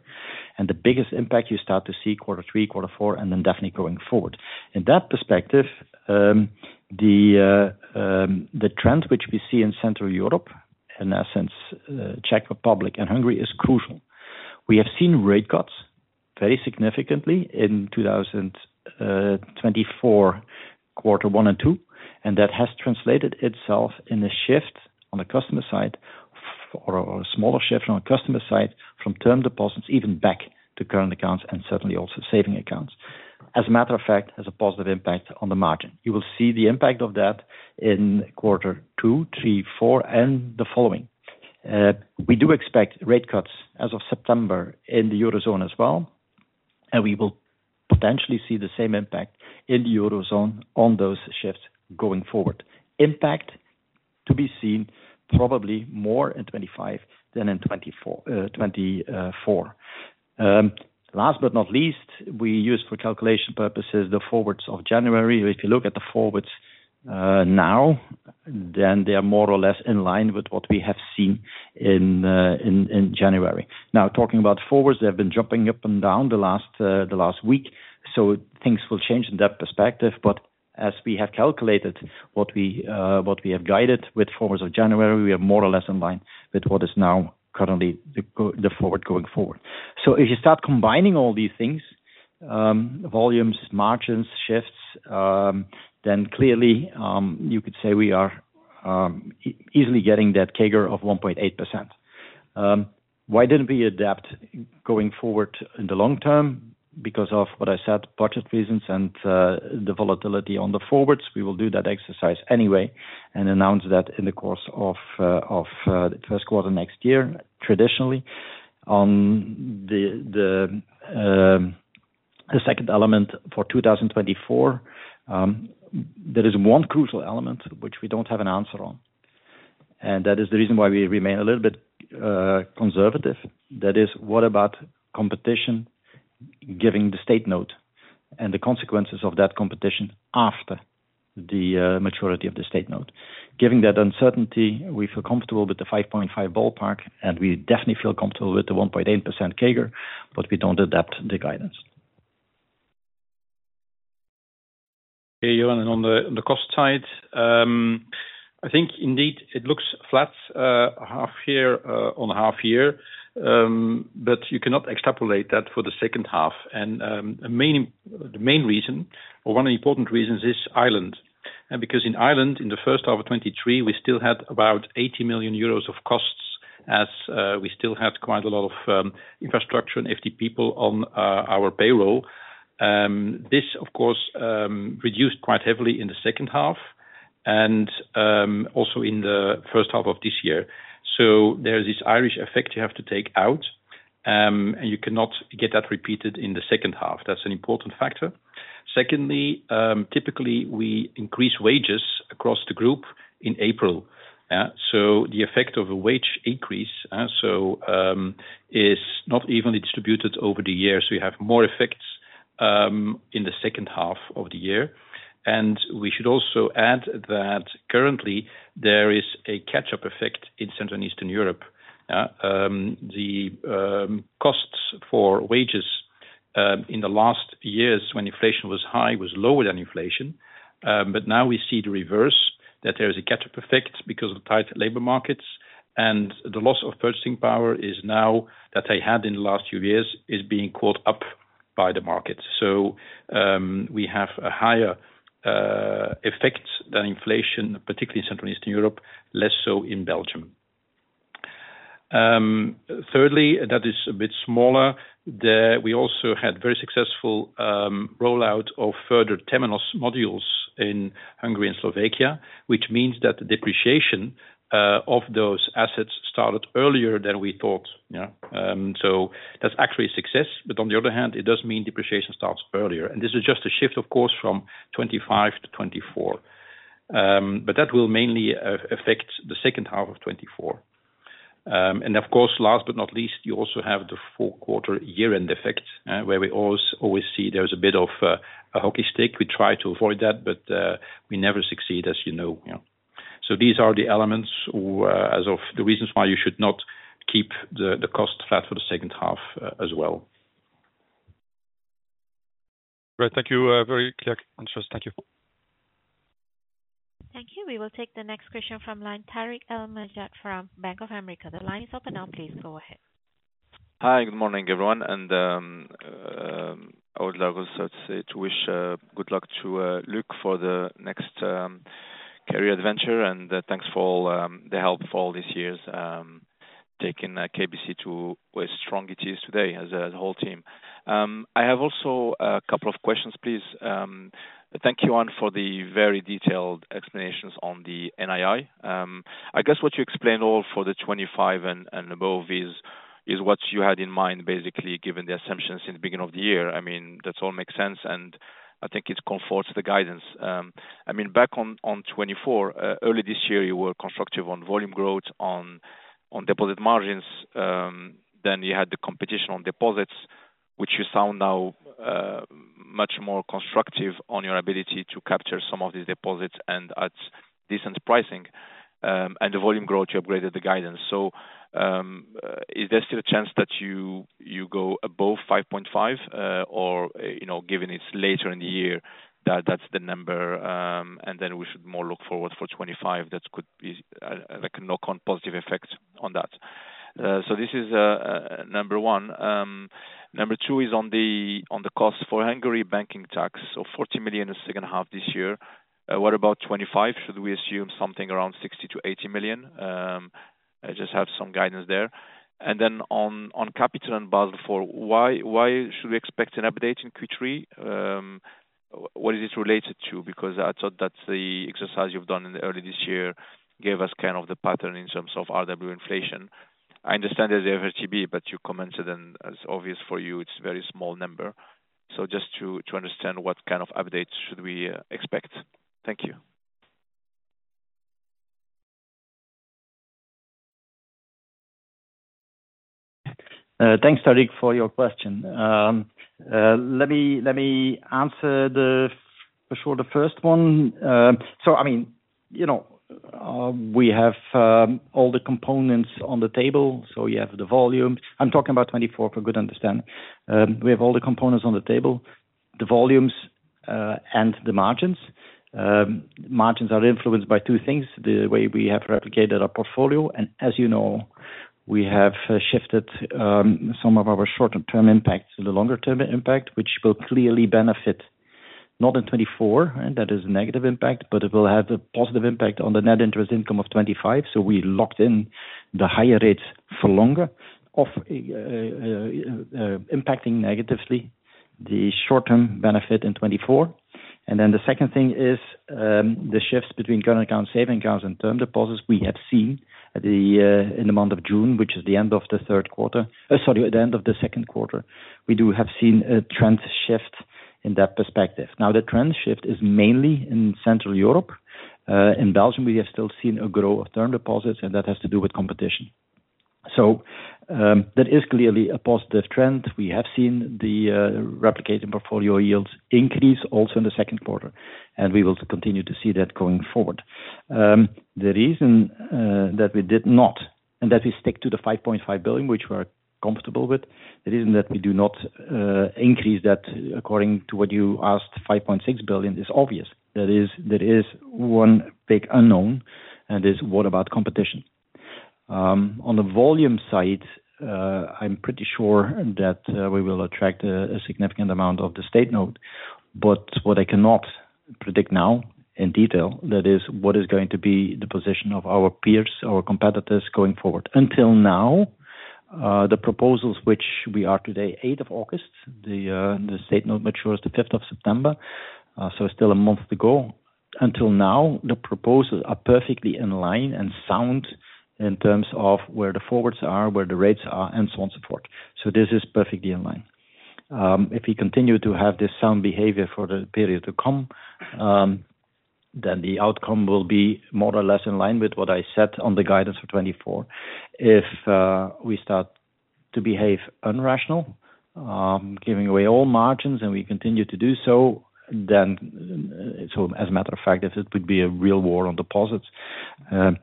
and the biggest impact you start to see quarter three, quarter four, and then definitely going forward. In that perspective, the trends which we see in Central Europe, in essence, Czech Republic and Hungary, is crucial. We have seen rate cuts very significantly in 2024, quarter one and two, and that has translated itself in a shift on the customer side or, or a smaller shift on the customer side, from term deposits, even back to current accounts and certainly also saving accounts. As a matter of fact, has a positive impact on the margin. You will see the impact of that in quarter two, three, four, and the following. We do expect rate cuts as of September in the Eurozone as well, and we will potentially see the same impact in the Eurozone on those shifts going forward. Impact to be seen probably more in 2025 than in 2024, 2024. Last but not least, we use for calculation purposes, the forwards of January. If you look at the forwards, now, then they are more or less in line with what we have seen in January. Now, talking about forwards, they have been jumping up and down the last week, so things will change in that perspective. But as we have calculated, what we have guided with forwards of January, we are more or less in line with what is now currently the forward going forward. So if you start combining all these things, volumes, margins, shifts, then clearly, you could say we are easily getting that CAGR of 1.8%. Why didn't we adapt going forward in the long term? Because of what I said, budget reasons and the volatility on the forwards. We will do that exercise anyway and announce that in the course of, of, the first quarter next year, traditionally. On the, the, the second element for 2024, there is one crucial element which we don't have an answer on, and that is the reason why we remain a little bit, conservative. That is, what about competition, giving the State Note and the consequences of that competition after the, maturity of the State Note? Given that uncertainty, we feel comfortable with the 5.5 ballpark, and we definitely feel comfortable with the 1.8% CAGR, but we don't adapt the guidance. Hey, you're on, on the, the cost side. I think indeed it looks flat, half year, on half year, but you cannot extrapolate that for the second half. The main, the main reason, or one of the important reasons, is Ireland. Because in Ireland, in the first half of 2023, we still had about 80 million euros of costs, as we still had quite a lot of infrastructure and FD people on our payroll. This of course reduced quite heavily in the second half and also in the first half of this year. So there is this Irish effect you have to take out, and you cannot get that repeated in the second half. That's an important factor. Secondly, typically we increase wages across the group in April, so the effect of a wage increase, so, is not evenly distributed over the years. We have more effects in the second half of the year, and we should also add that currently there is a catch-up effect in Central and Eastern Europe. Costs for wages in the last years when inflation was high was lower than inflation. But now we see the reverse, that there is a catch-up effect because of tight labor markets, and the loss of purchasing power is now, that they had in the last few years, is being caught up by the market. So, we have a higher effect than inflation, particularly Central Eastern Europe, less so in Belgium. Thirdly, that is a bit smaller, we also had very successful rollout of further terminals modules in Hungary and Slovakia, which means that the depreciation of those assets started earlier than we thought, you know. So that's actually a success, but on the other hand, it does mean depreciation starts earlier. And this is just a shift, of course, from 2025 to 2024. But that will mainly affect the second half of 2024. And of course, last but not least, you also have the full quarter year-end effect, where we always, always see there's a bit of a hockey stick. We try to avoid that, but we never succeed, as you know, yeah. So these are the elements or, as of the reasons why you should not keep the cost flat for the second half, as well. Right. Thank you, very clear answers. Thank you. Thank you. We will take the next question from line, Tarik El Mejjad, from Bank of America. The line is open now, please go ahead. Hi, good morning, everyone. I would like also to say, to wish good luck to Luc, for the next career adventure, and thanks for all the help for all these years, taking KBC to where it is strong today, as a whole team. I have also a couple of questions, please. Thank you, Johan, for the very detailed explanations on the NII. I guess what you explained all for the 25 and above is what you had in mind, basically, given the assumptions in the beginning of the year. I mean, that all makes sense, and I think it comforts the guidance. I mean, back on 2024, early this year, you were constructive on volume growth on deposit margins. Then you had the competition on deposits, which you sound now, much more constructive on your ability to capture some of these deposits, and at decent pricing, and the volume growth, you upgraded the guidance. So, is there still a chance that you, you go above 5.5, or, you know, given it's later in the year, that that's the number, and then we should more look forward for 2025, that could be, like a knock-on positive effect on that? So this is, number one. Number two is on the, on the cost for Hungary banking tax, so 40 million in the second half this year. What about 2025? Should we assume something around 60-80 million? I just have some guidance there. And then on, on capital and Basel IV, why, why should we expect an update in Q3? What is it related to? Because I thought that's the exercise you've done in the early this year, gave us kind of the pattern in terms of RW inflation. I understand that FRTB, but you commented, and it's obvious for you, it's a very small number. So just to, to understand what kind of updates should we expect. Thank you. Thanks, Tarik, for your question. Let me answer, for sure, the first one. So, I mean, you know, we have all the components on the table, so we have the volume. I'm talking about 2024, for good understanding. We have all the components on the table, the volumes, and the margins. Margins are influenced by two things, the way we have replicated our portfolio, and as you know, we have shifted some of our shorter term impacts to the longer term impact, which will clearly benefit not in 2024, and that is a negative impact, but it will have a positive impact on the net interest income of 2025. So we locked in the higher rates for longer, impacting negatively, the short-term benefit in 2024. And then the second thing is, the shifts between current account, saving accounts, and term deposits, we have seen at the, in the month of June, which is the end of the third quarter, at the end of the second quarter. We have seen a trend shift in that perspective. Now, the trend shift is mainly in Central Europe. In Belgium, we have still seen a growth of term deposits, and that has to do with competition. So, that is clearly a positive trend. We have seen the replicating portfolio yields increase also in the second quarter, and we will continue to see that going forward. The reason that we did not, and that we stick to the 5.5 billion, which we're comfortable with, the reason that we do not increase that, according to what you asked, 5.6 billion, is obvious. That is, there is one big unknown, and is what about competition? On the volume side, I'm pretty sure that we will attract a significant amount of the State Note, but what I cannot predict now, in detail, that is what is going to be the position of our peers, our competitors, going forward. Until now, the proposals which we are today, eighth of August, the State Note matures the fifth of September, so still a month to go. Until now, the proposals are perfectly in line and sound in terms of where the forwards are, where the rates are, and so on, so forth. So this is perfectly in line. If we continue to have this sound behavior for the period to come, then the outcome will be more or less in line with what I said on the guidance for 2024. If we start to behave irrational, giving away all margins, and we continue to do so, then, so as a matter of fact, if it would be a real war on deposits, then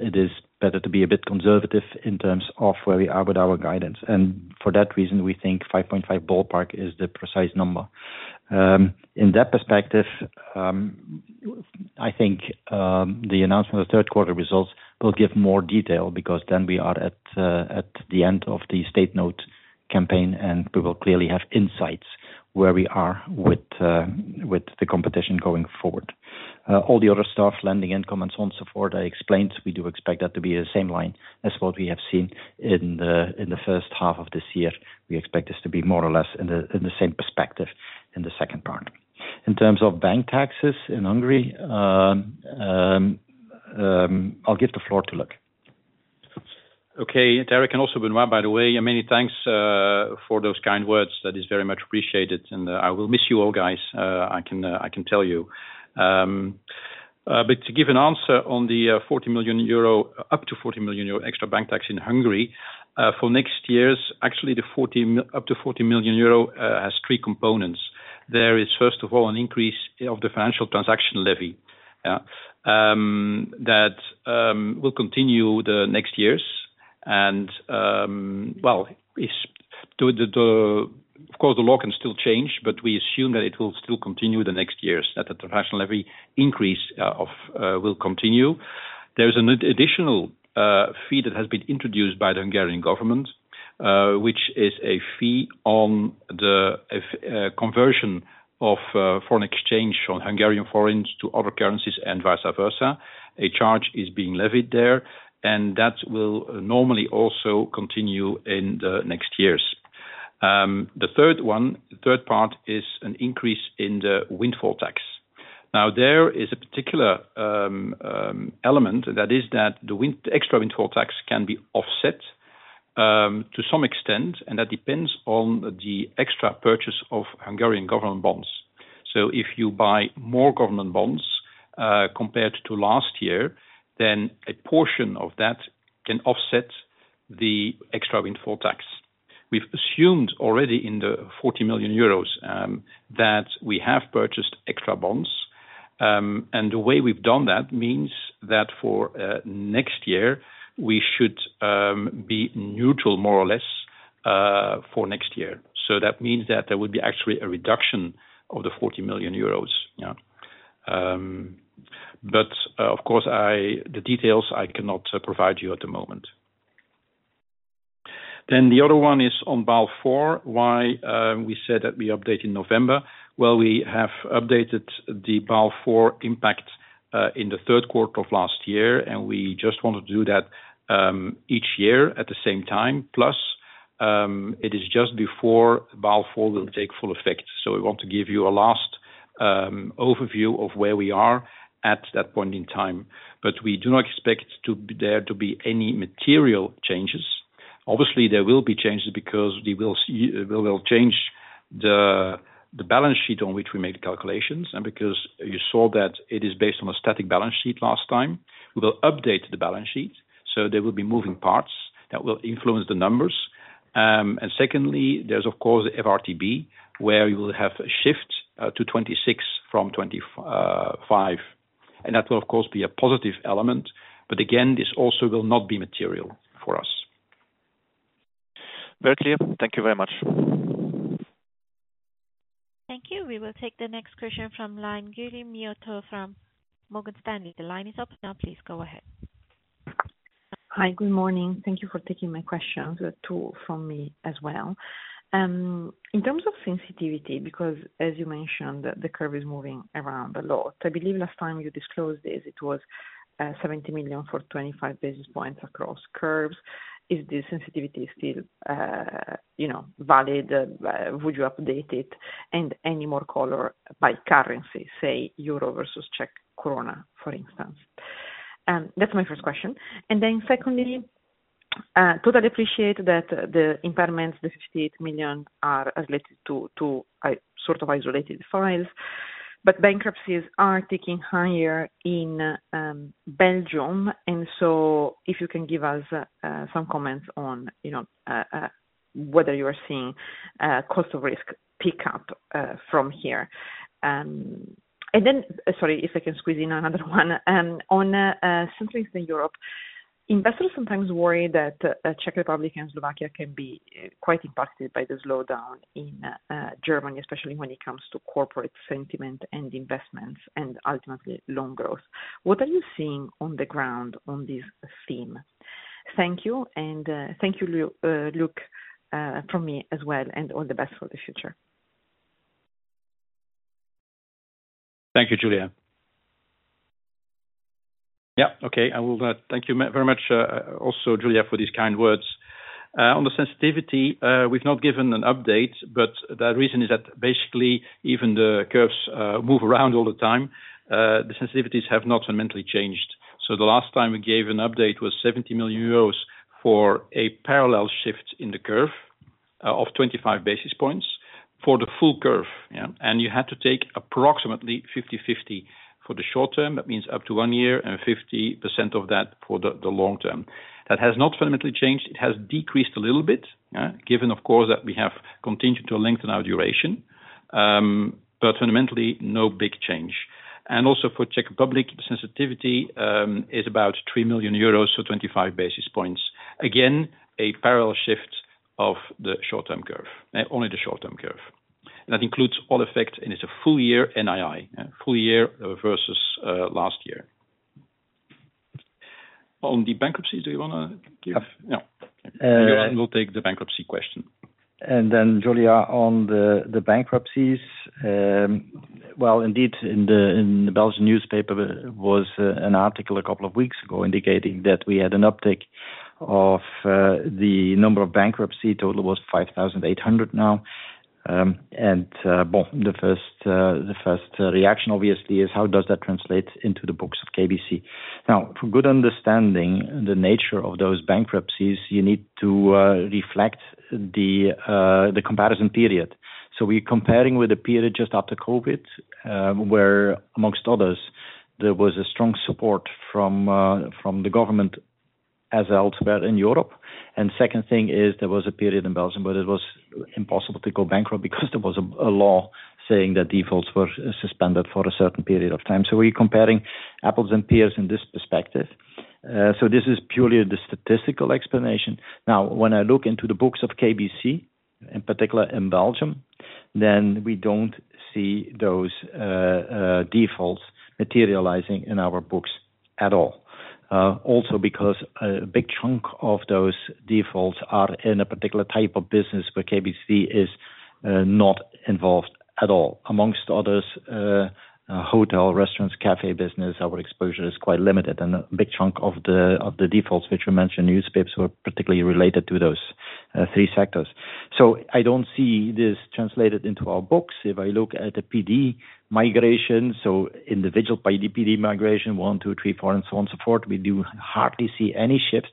it is better to be a bit conservative in terms of where we are with our guidance. And for that reason, we think 5.5 ballpark is the precise number. In that perspective, I think the announcement of the third quarter results will give more detail, because then we are at, at the end of the State Note campaign, and we will clearly have insights where we are with, with the competition going forward. All the other stuff, lending, income, and so on, so forth, I explained, we do expect that to be the same line as what we have seen in the first half of this year. We expect this to be more or less in the same perspective in the second part. In terms of bank taxes in Hungary, I'll give the floor to Luc. Okay, Tarik, and also Benoit, by the way, many thanks for those kind words. That is very much appreciated, and I will miss you all, guys, I can tell you. But to give an answer on the 40 million euro, up to 40 million euro extra bank tax in Hungary, for next years, actually the up to 40 million euro has three components. There is, first of all, an increase of the financial transaction levy, that will continue the next years. And, well, is to the, the, of course, the law can still change, but we assume that it will still continue the next years, that the transaction levy increase, of, will continue. There's an additional fee that has been introduced by the Hungarian government, which is a fee on the conversion of foreign exchange on Hungarian forints to other currencies and vice versa. A charge is being levied there, and that will normally also continue in the next years. The third one, third part is an increase in the windfall tax. Now, there is a particular element that is that the extra windfall tax can be offset to some extent, and that depends on the extra purchase of Hungarian government bonds. So if you buy more government bonds compared to last year, then a portion of that can offset the extra windfall tax. We've assumed already in the 40 million euros that we have purchased extra bonds, and the way we've done that means that for next year, we should be neutral, more or less, for next year. So that means that there would be actually a reduction of the 40 million euros, yeah. But of course, I, the details I cannot provide you at the moment. Then the other one is on Basel IV. Why we said that we update in November? Well, we have updated the Basel IV impact in the third quarter of last year, and we just want to do that each year at the same time. Plus, it is just before Basel IV will take full effect, so we want to give you a last overview of where we are at that point in time. But we do not expect there to be any material changes. Obviously, there will be changes because we will change the balance sheet on which we made the calculations, and because you saw that it is based on a static balance sheet last time. We will update the balance sheet, so there will be moving parts that will influence the numbers. And secondly, there's of course FRTB, where you will have a shift to 26 from 25, and that will, of course, be a positive element. But again, this also will not be material for us. Very clear. Thank you very much. Thank you. We will take the next question from line, Giulia Miotto from Morgan Stanley. The line is open now, please go ahead. Hi, good morning. Thank you for taking my questions, two from me as well. In terms of sensitivity, because as you mentioned, the curve is moving around a lot. I believe last time you disclosed this, it was 70 million for 25 basis points across curves. Is the sensitivity still, you know, valid? Would you update it? And any more color by currency, say, euro versus Czech koruna, for instance. That's my first question. And then secondly, totally appreciate that the impairments, the 68 million, are related to sort of isolated files, but bankruptcies are ticking higher in Belgium. And so if you can give us some comments on, you know, whether you are seeing cost of risk pick up from here. And then... Sorry, if I can squeeze in another one. On Central Eastern Europe, investors sometimes worry that the Czech Republic and Slovakia can be quite impacted by the slowdown in Germany, especially when it comes to corporate sentiment and investments and ultimately, loan growth. What are you seeing on the ground on this theme? Thank you, and thank you, Luc, from me as well, and all the best for the future. Thank you, Giulia. Yeah. Okay, I will thank you very much, also Giulia, for these kind words. On the sensitivity, we've not given an update, but the reason is that basically, even the curves move around all the time, the sensitivities have not fundamentally changed. So the last time we gave an update was 70 million euros for a parallel shift in the curve of 25 basis points for the full curve. Yeah, and you had to take approximately 50/50 for the short term. That means up to one year and 50% of that for the long term. That has not fundamentally changed. It has decreased a little bit, given of course, that we have continued to lengthen our duration, but fundamentally, no big change. And also for Czech Republic, sensitivity is about 3 million euros, so 25 basis points. Again, a parallel shift of the short term curve, only the short term curve. That includes all effect, and it's a full year NII, full year versus last year. On the bankruptcy, do you wanna give? Yeah. We'll take the bankruptcy question. And then Giulia, on the bankruptcies, well, indeed, in the Belgian newspaper, there was an article a couple of weeks ago indicating that we had an uptick of the number of bankruptcy. Total was 5,800 now. Well, the first reaction obviously is how does that translate into the books of KBC? Now, for good understanding the nature of those bankruptcies, you need to reflect the comparison period. So we're comparing with the period just after COVID, where amongst others, there was a strong support from the government as elsewhere in Europe. And second thing is, there was a period in Belgium, where it was impossible to go bankrupt because there was a law saying that defaults were suspended for a certain period of time. So we're comparing apples and pears in this perspective. So this is purely the statistical explanation. Now, when I look into the books of KBC, in particular in Belgium, then we don't see those defaults materializing in our books at all. Also because a big chunk of those defaults are in a particular type of business where KBC is not involved at all, among others, hotel, restaurants, cafe business, our exposure is quite limited, and a big chunk of the defaults, which we mentioned newspapers, were particularly related to those three sectors. So I don't see this translated into our books. If I look at the PD migration, so individual PD, PD migration one, two, three, four, and so on, so forth, we do hardly see any shifts.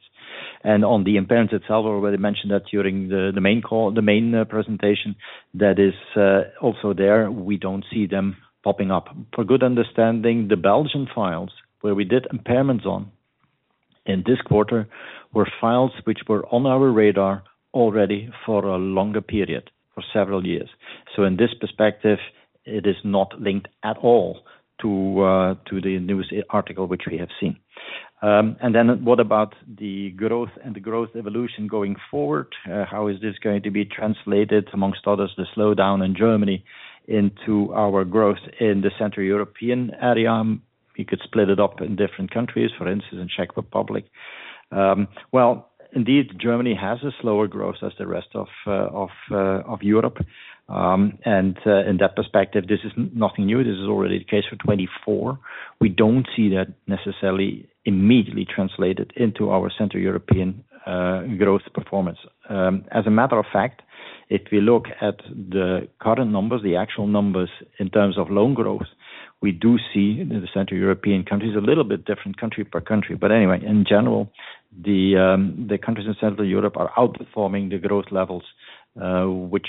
And on the impairments itself, I already mentioned that during the main call, the main presentation, that is also there. We don't see them popping up. For good understanding, the Belgian files where we did impairments on in this quarter, were files which were on our radar already for a longer period, for several years. So in this perspective, it is not linked at all to the news article, which we have seen. And then what about the growth and the growth evolution going forward? How is this going to be translated amongst others, the slowdown in Germany into our growth in the Central European area? We could split it up in different countries, for instance, in Czech Republic. Well, indeed, Germany has a slower growth as the rest of Europe. In that perspective, this is nothing new. This is already the case for 2024. We don't see that necessarily immediately translated into our Central European growth performance. As a matter of fact, if we look at the current numbers, the actual numbers in terms of loan growth, we do see in the Central European countries, a little bit different country per country. But anyway, in general, the countries in Central Europe are outperforming the growth levels, which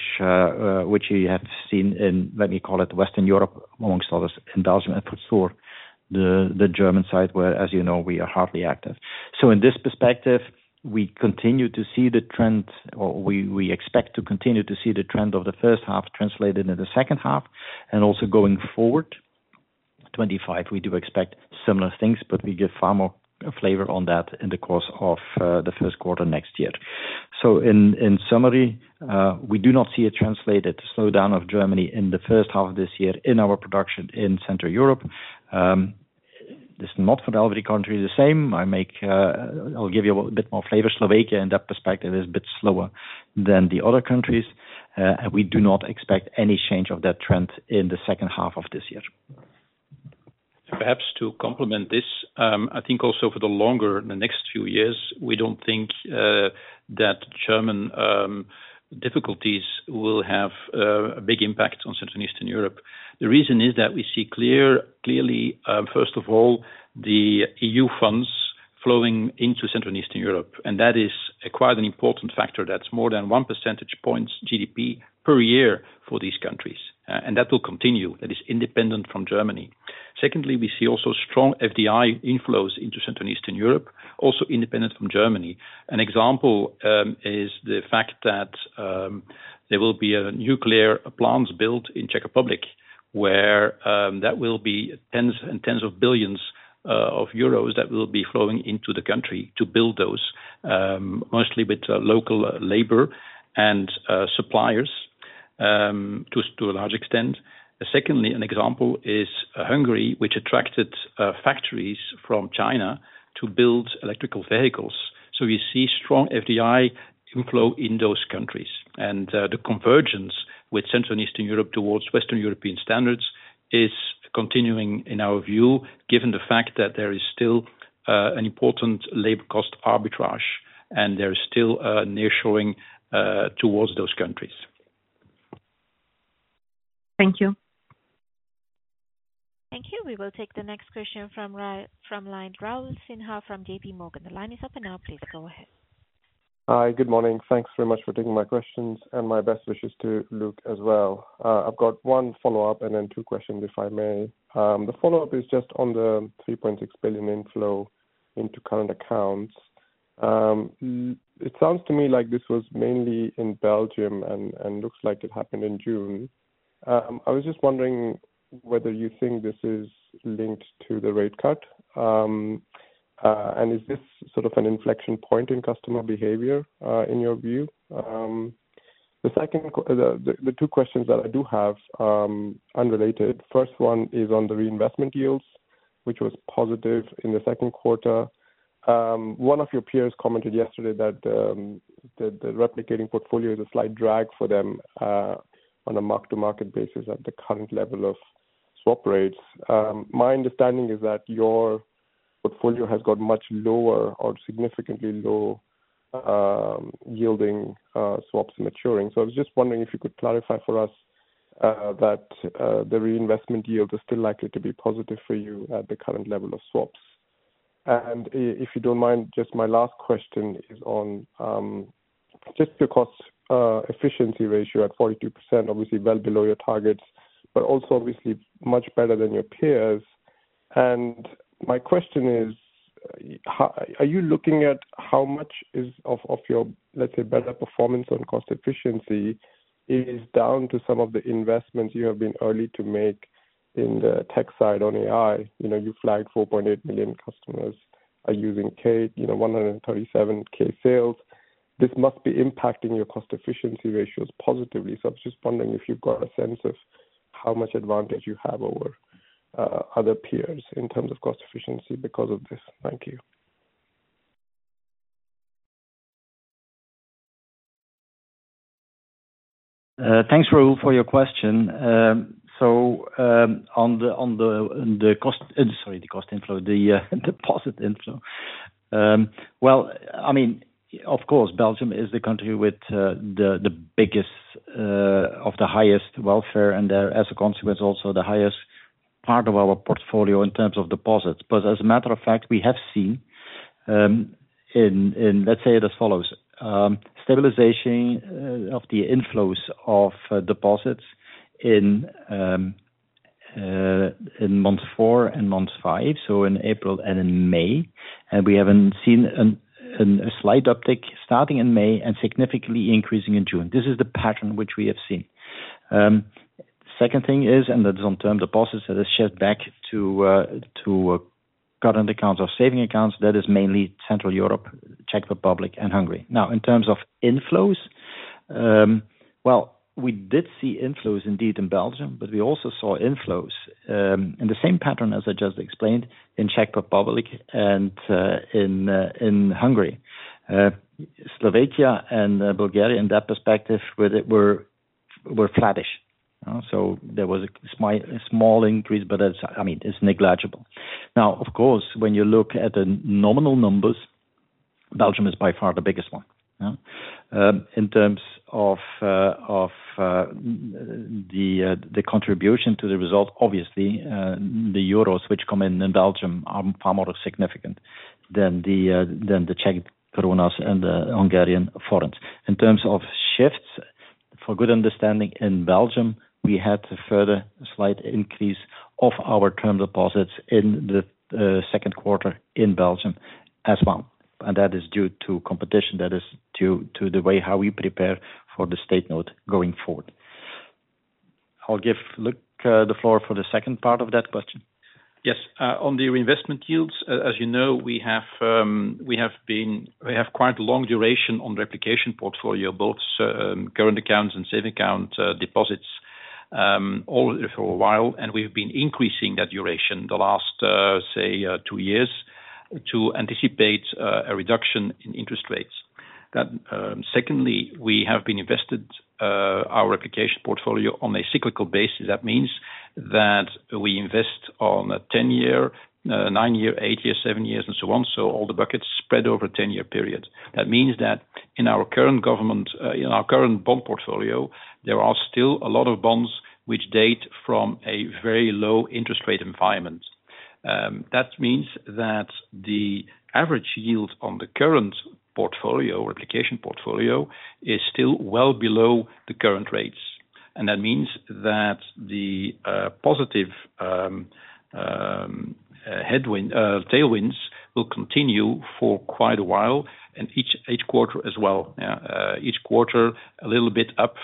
you have seen in, let me call it Western Europe, among others, in Belgium and for sure, the German side, where, as you know, we are hardly active. So in this perspective, we continue to see the trend or we expect to continue to see the trend of the first half translated into the second half and also going forward. 25, we do expect similar things, but we give far more flavor on that in the course of the first quarter next year. So in summary, we do not see a translated slowdown of Germany in the first half of this year in our production in Central Europe. This is not for the every country the same. I make, I'll give you a little bit more flavor. Slovakia, in that perspective, is a bit slower than the other countries, and we do not expect any change of that trend in the second half of this year. Perhaps to complement this, I think also for the longer, the next few years, we don't think that German difficulties will have a big impact on Central and Eastern Europe. The reason is that we see clearly, first of all, the EU funds flowing into Central and Eastern Europe, and that is quite an important factor. That's more than one percentage points GDP per year for these countries, and that will continue. That is independent from Germany. Secondly, we see also strong FDI inflows into Central and Eastern Europe, also independent from Germany. An example is the fact that there will be a nuclear plant built in Czech Republic, where that will be tens and tens of billions of euros that will be flowing into the country to build those, mostly with local labor and suppliers, to a large extent. Secondly, an example is Hungary, which attracted factories from China.... to build electrical vehicles. So we see strong FDI inflow in those countries. And, the convergence with Central and Eastern Europe towards Western European standards is continuing, in our view, given the fact that there is still an important labor cost arbitrage, and there is still a near-shoring towards those countries. Thank you. Thank you. We will take the next question from Ra, from line Raul Sinha from JP Morgan. The line is open now, please go ahead. Hi, good morning. Thanks very much for taking my questions, and my best wishes to Luc as well. I've got one follow-up, and then two questions, if I may. The follow-up is just on the 3.6 billion inflow into current accounts. It sounds to me like this was mainly in Belgium and looks like it happened in June. I was just wondering whether you think this is linked to the rate cut. And is this sort of an inflection point in customer behavior, in your view? The two questions that I do have, unrelated: first one is on the reinvestment yields, which was positive in the second quarter. One of your peers commented yesterday that the replicating portfolio is a slight drag for them on a mark-to-market basis at the current level of swap rates. My understanding is that your portfolio has got much lower or significantly low yielding swaps maturing. So I was just wondering if you could clarify for us that the reinvestment yield is still likely to be positive for you at the current level of swaps. And if you don't mind, just my last question is on just the cost efficiency ratio at 42%, obviously well below your targets, but also obviously much better than your peers. My question is, are you looking at how much of your, let's say, better performance on cost efficiency, is down to some of the investments you have been early to make in the tech side on AI? You know, you flagged 4.8 million customers are using Kate, you know, 137K sales. This must be impacting your cost efficiency ratios positively. So I'm just wondering if you've got a sense of how much advantage you have over other peers in terms of cost efficiency because of this. Thank you. Thanks, Raul, for your question. So, on the cost inflow, sorry, the deposit inflow. Well, I mean, of course, Belgium is the country with the biggest of the highest welfare, and as a consequence, also the highest part of our portfolio in terms of deposits. But as a matter of fact, we have seen, in, let's say it as follows: stabilization of the inflows of deposits in month four and month five, so in April and in May. And we haven't seen a slight uptick starting in May and significantly increasing in June. This is the pattern which we have seen. Second thing is, and that is on term deposits, that is shared back to, to current accounts or saving accounts, that is mainly Central Europe, Czech Republic, and Hungary. Now, in terms of inflows, well, we did see inflows indeed in Belgium, but we also saw inflows, in the same pattern as I just explained in Czech Republic and in Hungary. Slovakia and Bulgaria, in that perspective, were flattish. So there was a small increase, but it's, I mean, it's negligible. Now, of course, when you look at the nominal numbers, Belgium is by far the biggest one, yeah? In terms of the contribution to the result, obviously, the euros which come in in Belgium are far more significant than the Czech korunas and the Hungarian forints. In terms of shifts, for good understanding, in Belgium, we had a further slight increase of our term deposits in the second quarter in Belgium as well, and that is due to competition, that is to the way how we prepare for the State Note going forward. I'll give Luc the floor for the second part of that question. Yes. As you know, we have quite a long duration on replicating portfolio, both current accounts and saving account deposits, all for a while, and we've been increasing that duration the last, say, two years to anticipate a reduction in interest rates. That secondly, we have been invested our replicating portfolio on a cyclical basis. That means that we invest on a 10-year nine-year eight years seven years, and so on, so all the buckets spread over a 10-year period. That means that in our current government in our current bond portfolio, there are still a lot of bonds which date from a very low interest rate environment. That means that the average yield on the current portfolio, replicating portfolio, is still well below the current rates. That means that the positive tailwinds will continue for quite a while, and each quarter as well. Each quarter, a little bit up,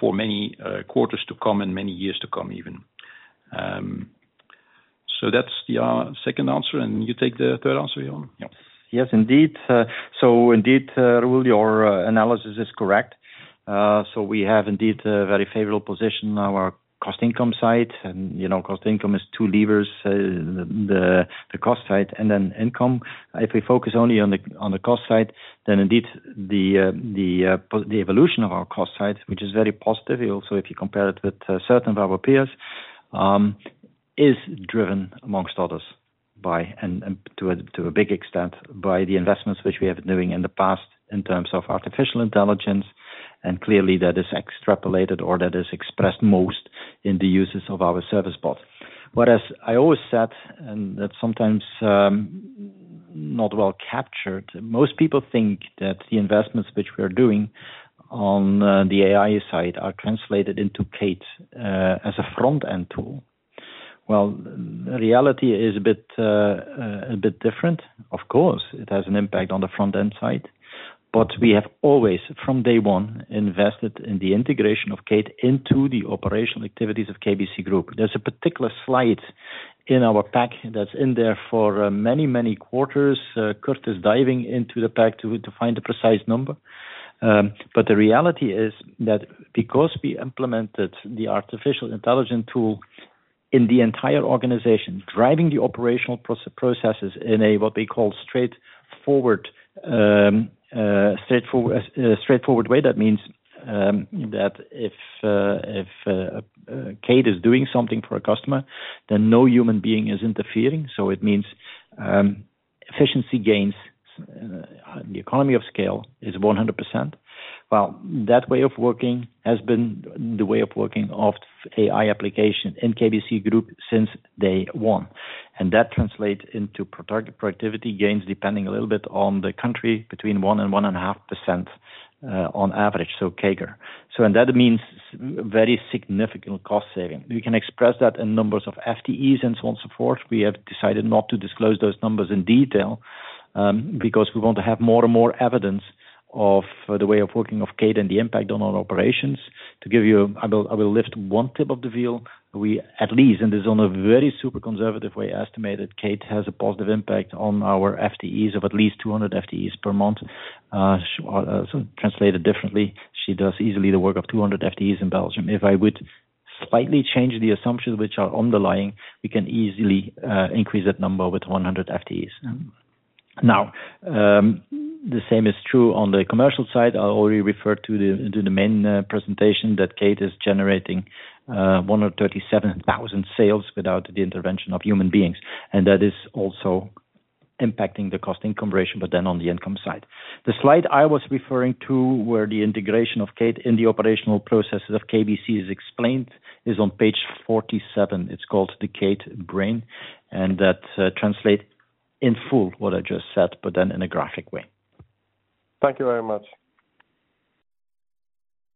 for many quarters to come and many years to come even.... So that's the second answer, and you take the third answer, Johan? Yep. Yes, indeed. So indeed, Raul, your analysis is correct. So we have indeed a very favorable position on our cost income side, and, you know, cost income is two levers, the cost side and then income. If we focus only on the cost side, then indeed the evolution of our cost side, which is very positive, also, if you compare it with certain of our peers, is driven amongst others by, and to a big extent, by the investments which we have been doing in the past in terms of artificial intelligence, and clearly that is extrapolated or that is expressed most in the uses of our service bot. But as I always said, and that's sometimes not well captured, most people think that the investments which we are doing on the AI side are translated into Kate as a front-end tool. Well, reality is a bit a bit different. Of course, it has an impact on the front-end side, but we have always, from day one, invested in the integration of Kate into the operational activities of KBC Group. There's a particular slide in our pack that's in there for many, many quarters. Kurt is diving into the pack to find the precise number. But the reality is that because we implemented the artificial intelligence tool in the entire organization, driving the operational processes in a, what we call straightforward way, that means that if Kate is doing something for a customer, then no human being is interfering. So it means efficiency gains, the economy of scale is 100%. Well, that way of working has been the way of working of AI application in KBC Group since day one, and that translates into productivity gains, depending a little bit on the country, between 1% and 1.5%, on average, so CAGR. And that means very significant cost saving. We can express that in numbers of FTEs and so on and so forth. We have decided not to disclose those numbers in detail, because we want to have more and more evidence of the way of working of Kate and the impact on our operations. To give you... I will, I will lift one tip of the veil. We, at least, and this on a very super conservative way, estimated Kate has a positive impact on our FTEs of at least 200 FTEs per month. So translated differently, she does easily the work of 200 FTEs in Belgium. If I would slightly change the assumptions which are underlying, we can easily, increase that number with 100 FTEs. Now, the same is true on the commercial side. I already referred to the, to the main, presentation, that Kate is generating, 137,000 sales without the intervention of human beings, and that is also impacting the cost income ratio, but then on the income side. The slide I was referring to, where the integration of Kate in the operational processes of KBC is explained, is on page 47. It's called the Kate Brain, and that, translate in full what I just said, but then in a graphic way. Thank you very much.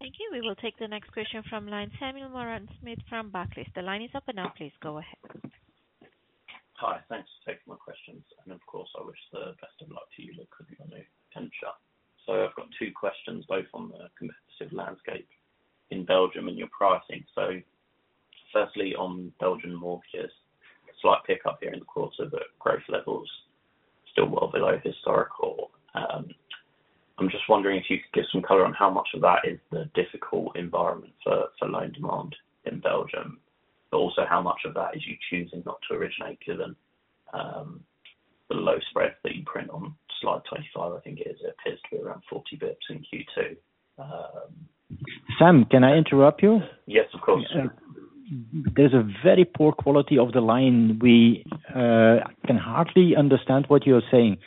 Thank you. We will take the next question from line, Samuel Morland-Smith from Barclays. The line is open now, please go ahead. Hi, thanks for taking my questions, and of course, I wish the best of luck to you, Luc, on your new venture. So I've got two questions, both on the competitive landscape in Belgium and your pricing. So firstly, on Belgian mortgages, a slight pickup here in the course of the growth levels, still well below historical. I'm just wondering if you could give some color on how much of that is the difficult environment for loan demand in Belgium, but also how much of that is you choosing not to originate, given the low spread that you print on slide 25, I think it is, it appears to be around 40 bps in Q2. Sam, can I interrupt you? Yes, of course. There's a very poor quality of the line. We can hardly understand what you're saying.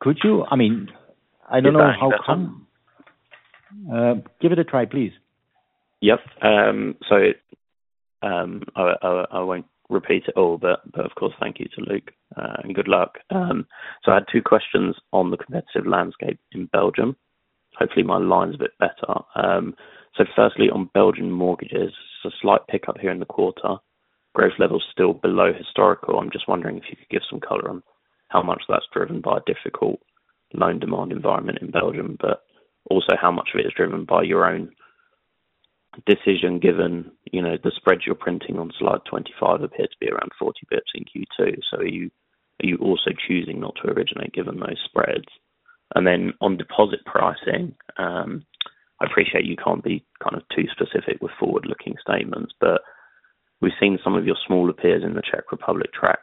Could you? I mean, I don't know how come. Yes, thanks. Give it a try, please. Yep. I won't repeat it all, but of course, thank you to Luc, and good luck. I had two questions on the competitive landscape in Belgium. Hopefully, my line's a bit better. Firstly, on Belgian mortgages, a slight pickup here in the quarter, growth level's still below historical. I'm just wondering if you could give some color on how much that's driven by a difficult loan demand environment in Belgium, but also how much of it is driven by your own decision, given, you know, the spreads you're printing on slide 25 appear to be around 40 basis points in Q2. Are you also choosing not to originate, given those spreads? And then on deposit pricing, I appreciate you can't be kind of too specific with forward-looking statements, but we've seen some of your smaller peers in the Czech Republic track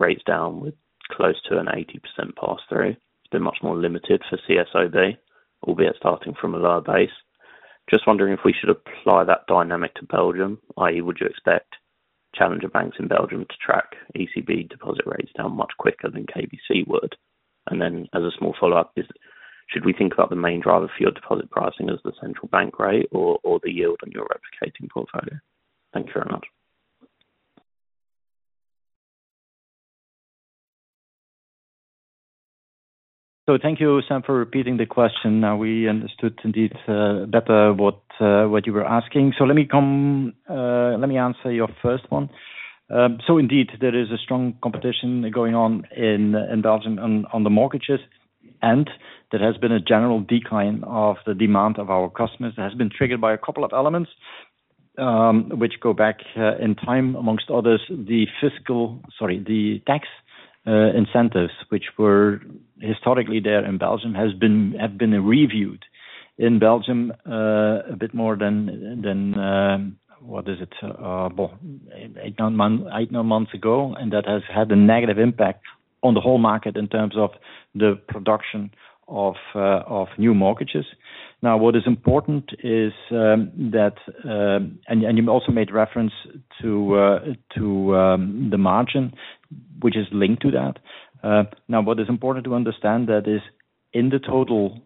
rates down with close to an 80% pass-through. It's been much more limited for CSOB, albeit starting from a lower base. Just wondering if we should apply that dynamic to Belgium, i.e., would you expect challenger banks in Belgium to track ECB deposit rates down much quicker than KBC would? And then, as a small follow-up is, should we think about the main driver for your deposit pricing as the central bank rate or, or the yield on your replicating portfolio? Thank you very much. So thank you, Sam, for repeating the question. Now, we understood indeed, better what, what you were asking. So let me come, let me answer your first one. So indeed, there is a strong competition going on in Belgium on the mortgages, and there has been a general decline of the demand of our customers, that has been triggered by a couple of elements, which go back in time, amongst others, the fiscal—sorry, the tax incentives, which were historically there in Belgium, has been, have been reviewed in Belgium, a bit more than what is it? Well, eight-nine months ago, and that has had a negative impact on the whole market in terms of the production of new mortgages. Now, what is important is that you also made reference to the margin, which is linked to that. Now, what is important to understand is that in the total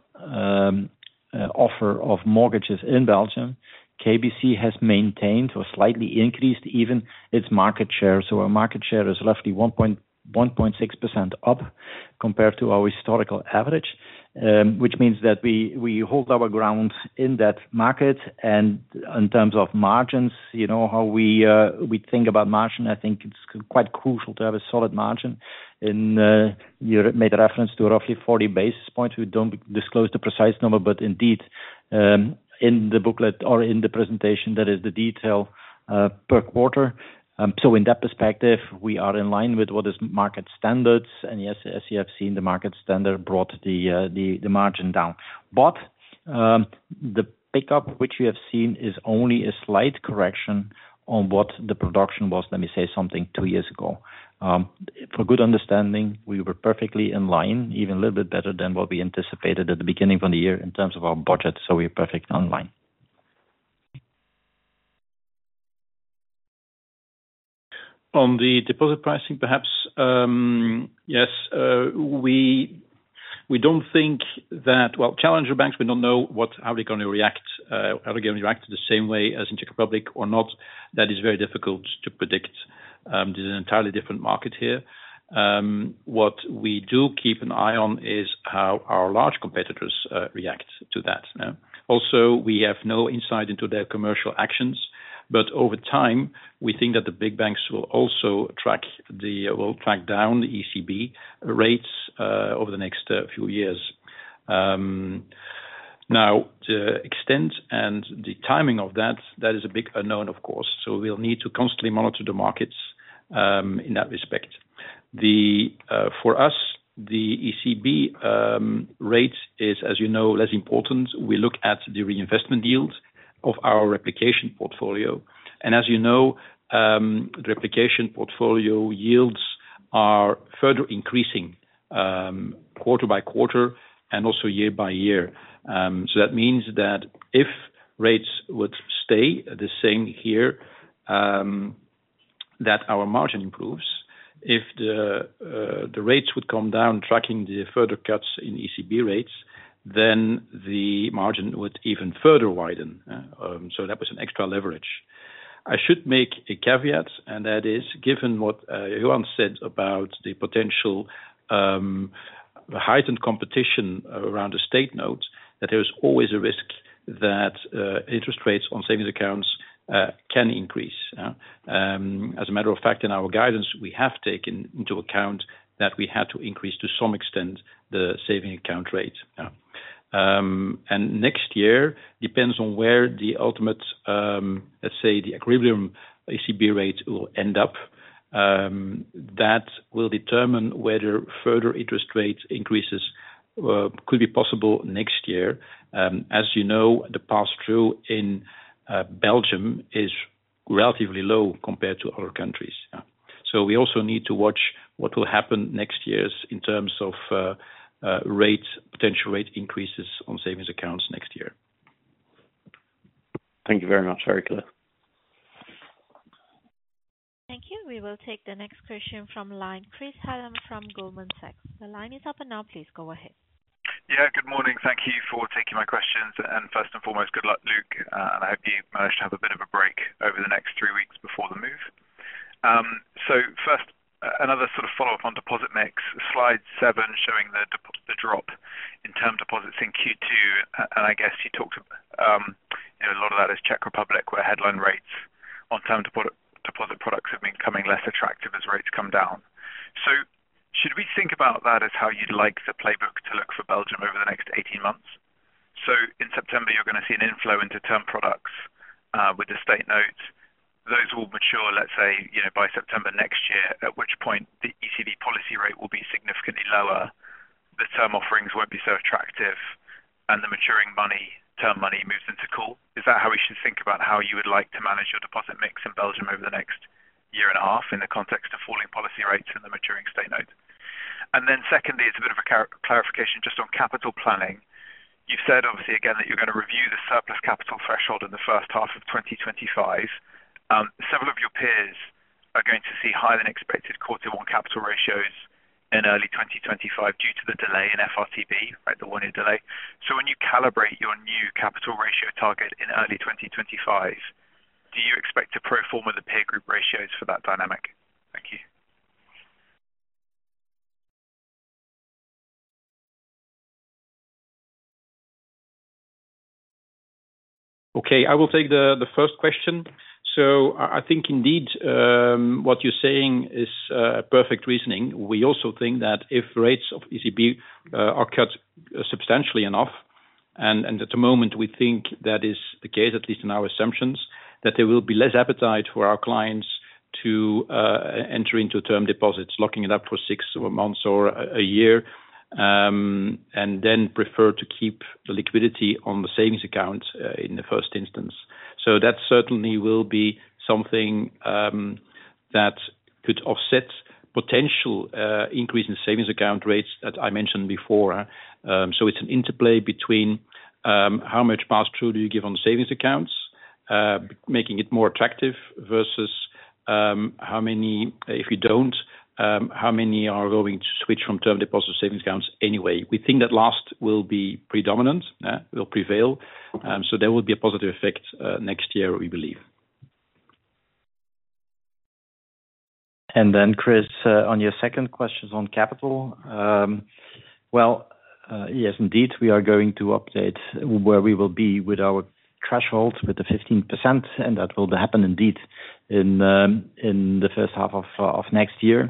offer of mortgages in Belgium, KBC has maintained or slightly increased even its market share. So our market share is roughly 1.1-1.6% up compared to our historical average, which means that we hold our ground in that market and in terms of margins, you know, how we think about margin. I think it's quite crucial to have a solid margin. You made a reference to roughly 40 basis points. We don't disclose the precise number, but indeed, in the booklet or in the presentation, that is the detail per quarter. So in that perspective, we are in line with what is market standards, and yes, as you have seen, the market standard brought the margin down. But the pickup which you have seen is only a slight correction on what the production was, let me say, something two years ago. For good understanding, we were perfectly in line, even a little bit better than what we anticipated at the beginning of the year in terms of our budget, so we're perfectly on line. On the deposit pricing, perhaps yes, we don't think that... Well, challenger banks, we don't know how they're gonna react, how they're gonna react the same way as in Czech Republic or not. That is very difficult to predict. There's an entirely different market here. What we do keep an eye on is how our large competitors react to that. Also, we have no insight into their commercial actions, but over time, we think that the big banks will also track down the ECB rates over the next few years. Now, the extent and the timing of that, that is a big unknown, of course, so we'll need to constantly monitor the markets in that respect. For us, the ECB rate is, as you know, less important. We look at the reinvestment yields of our replication portfolio, and as you know, replication portfolio yields are further increasing quarter by quarter and also year by year. So that means that if rates would stay the same here, that our margin improves. If the rates would come down, tracking the further cuts in ECB rates, then the margin would even further widen. So that was an extra leverage. I should make a caveat, and that is, given what Johan said about the potential heightened competition around the State Notes, that there is always a risk that interest rates on savings accounts can increase. As a matter of fact, in our guidance, we have taken into account that we had to increase to some extent the saving account rate. And next year, depends on where the ultimate, let's say, the equilibrium ECB rate will end up, that will determine whether further interest rates increases could be possible next year. As you know, the pass-through in Belgium is relatively low compared to other countries, yeah. We also need to watch what will happen next years in terms of rate potential rate increases on savings accounts next year. Thank you very much. Very clear. Thank you. We will take the next question from line, Chris Hallam from Goldman Sachs. The line is open now. Please go ahead. Yeah, good morning. Thank you for taking my questions. And first and foremost, good luck, Luc, and I hope you manage to have a bit of a break over the next three weeks before the move. So first, another sort of follow-up on deposit mix, slide seven, showing the drop in term deposits in Q2, and I guess you talked, you know, a lot of that is Czech Republic, where headline rates on term deposit products have been becoming less attractive as rates come down. So should we think about that as how you'd like the playbook to look for Belgium over the next 18 months? So in September, you're gonna see an inflow into term products, with the State Notes. Those will mature, let's say, you know, by September next year, at which point the ECB policy rate will be significantly lower, the term offerings won't be so attractive, and the maturing money, term money, moves into call. Is that how we should think about how you would like to manage your deposit mix in Belgium over the next year and a half, in the context of falling policy rates and the maturing State Note? And then secondly, Clarification just on capital planning. You've said obviously again, that you're gonna review the surplus capital threshold in the first half of 2025. Several of your peers are going to see higher than expected quarter one capital ratios in early 2025 due to the delay in FRTB, right, the one-year delay. When you calibrate your new capital ratio target in early 2025, do you expect to perform with the peer group ratios for that dynamic? Thank you.... Okay, I will take the first question. So I think indeed what you're saying is a perfect reasoning. We also think that if rates of ECB are cut substantially enough, and at the moment, we think that is the case, at least in our assumptions, that there will be less appetite for our clients to enter into term deposits, locking it up for six months or a year, and then prefer to keep the liquidity on the savings account in the first instance. So that certainly will be something that could offset potential increase in savings account rates that I mentioned before. So it's an interplay between, how much pass-through do you give on savings accounts, making it more attractive versus, how many—if you don't, how many are going to switch from term deposit savings accounts anyway? We think that last will be predominant, will prevail. So there will be a positive effect, next year, we believe. And then, Chris, on your second question on capital. Well, yes, indeed, we are going to update where we will be with our thresholds, with the 15%, and that will happen indeed in, in the first half of, of next year.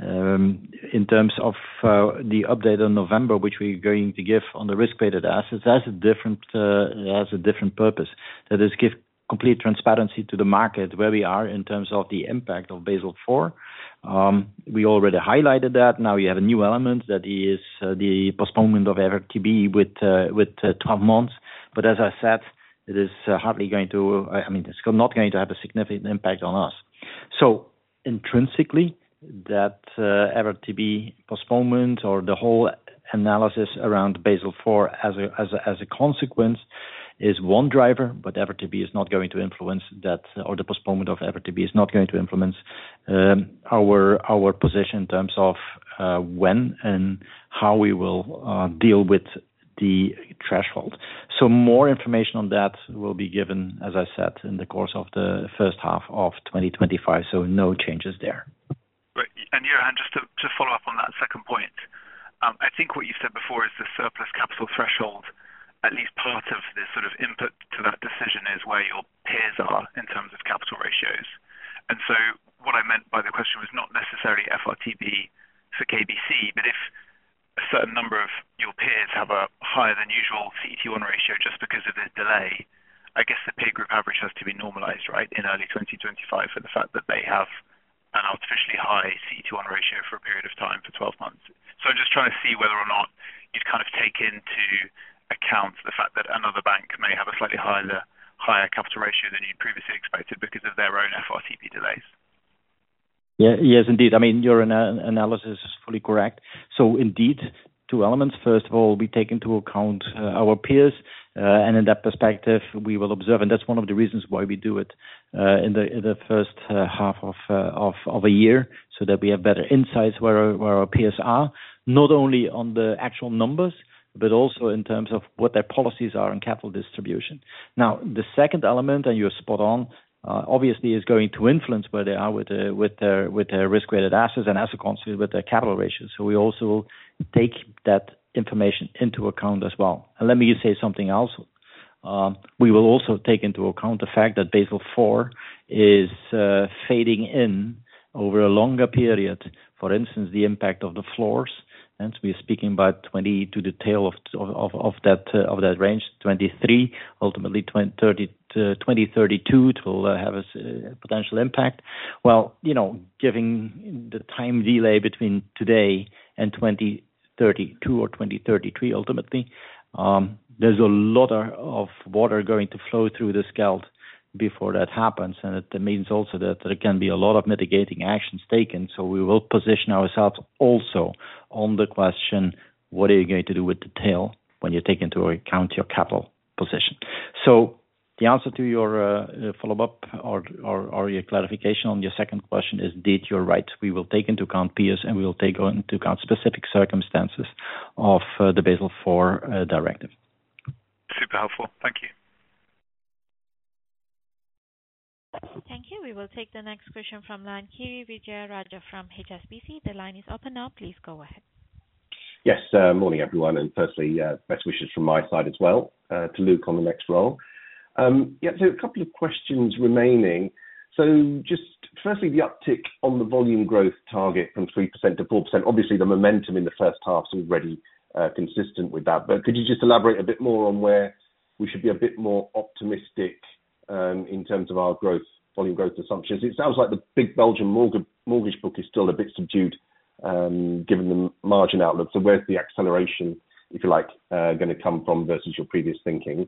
In terms of, the update on November, which we're going to give on the risk-weighted assets, that's a different, has a different purpose. That is, give complete transparency to the market, where we are in terms of the impact of Basel IV. We already highlighted that. Now we have a new element that is the postponement of FRTB with 12 months. But as I said, it is hardly going to... I mean, it's not going to have a significant impact on us. So intrinsically, that FRTB postponement or the whole analysis around Basel IV as a consequence is one driver, but FRTB is not going to influence that, or the postponement of FRTB is not going to influence our position in terms of when and how we will deal with the threshold. So more information on that will be given, as I said, in the course of the first half of 2025, so no changes there. Right. And Johan, just to follow up on that second point, I think what you said before is the surplus capital threshold, at least part of the sort of input to that decision, is where your peers are in terms of capital ratios. And so what I meant by the question was not necessarily FRTB for KBC, but if a certain number of your peers have a higher than usual CET1 ratio, just because of the delay, I guess the peer group average has to be normalized, right? In early 2025, for the fact that they have an artificially high CET1 ratio for a period of time, for 12 months. So I'm just trying to see whether or not you've kind of taken into account the fact that another bank may have a slightly higher, higher capital ratio than you'd previously expected because of their own FRTB delays. Yeah. Yes, indeed. I mean, your analysis is fully correct. So indeed, two elements. First of all, we take into account our peers, and in that perspective, we will observe, and that's one of the reasons why we do it, in the first half of a year, so that we have better insights where our peers are, not only on the actual numbers, but also in terms of what their policies are on capital distribution. Now, the second element, and you're spot on, obviously is going to influence where they are with their risk-weighted assets, and as a consequence, with their capital ratios. So we also take that information into account as well. And let me say something else. We will also take into account the fact that Basel IV is phasing in over a longer period. For instance, the impact of the floors, and we are speaking about 2020 to the tail of that range, 2023, ultimately, 2030, 2032, it will have a potential impact. Well, you know, given the time delay between today and 2032 or 2033 ultimately, there's a lot of water going to flow through this Schelde before that happens, and it means also that there can be a lot of mitigating actions taken. So we will position ourselves also on the question, what are you going to do with the tail when you take into account your capital position? So the answer to your follow-up or your clarification on your second question is, indeed, you're right. We will take into account peers, and we will take into account specific circumstances of the Basel IV directive. Super helpful. Thank you. Thank you. We will take the next question fromKiri Vijayarajah from HSBC. The line is open now, please go ahead. Yes. Morning, everyone, and firstly, best wishes from my side as well, to Luc on the next role. Yeah, so a couple of questions remaining. So just firstly, the uptick on the volume growth target from 3% to 4%. Obviously, the momentum in the first half is already consistent with that. But could you just elaborate a bit more on where we should be a bit more optimistic, in terms of our growth, volume growth assumptions? It sounds like the big Belgian mortgage book is still a bit subdued, given the margin outlook. So where's the acceleration, if you like, gonna come from versus your previous thinking?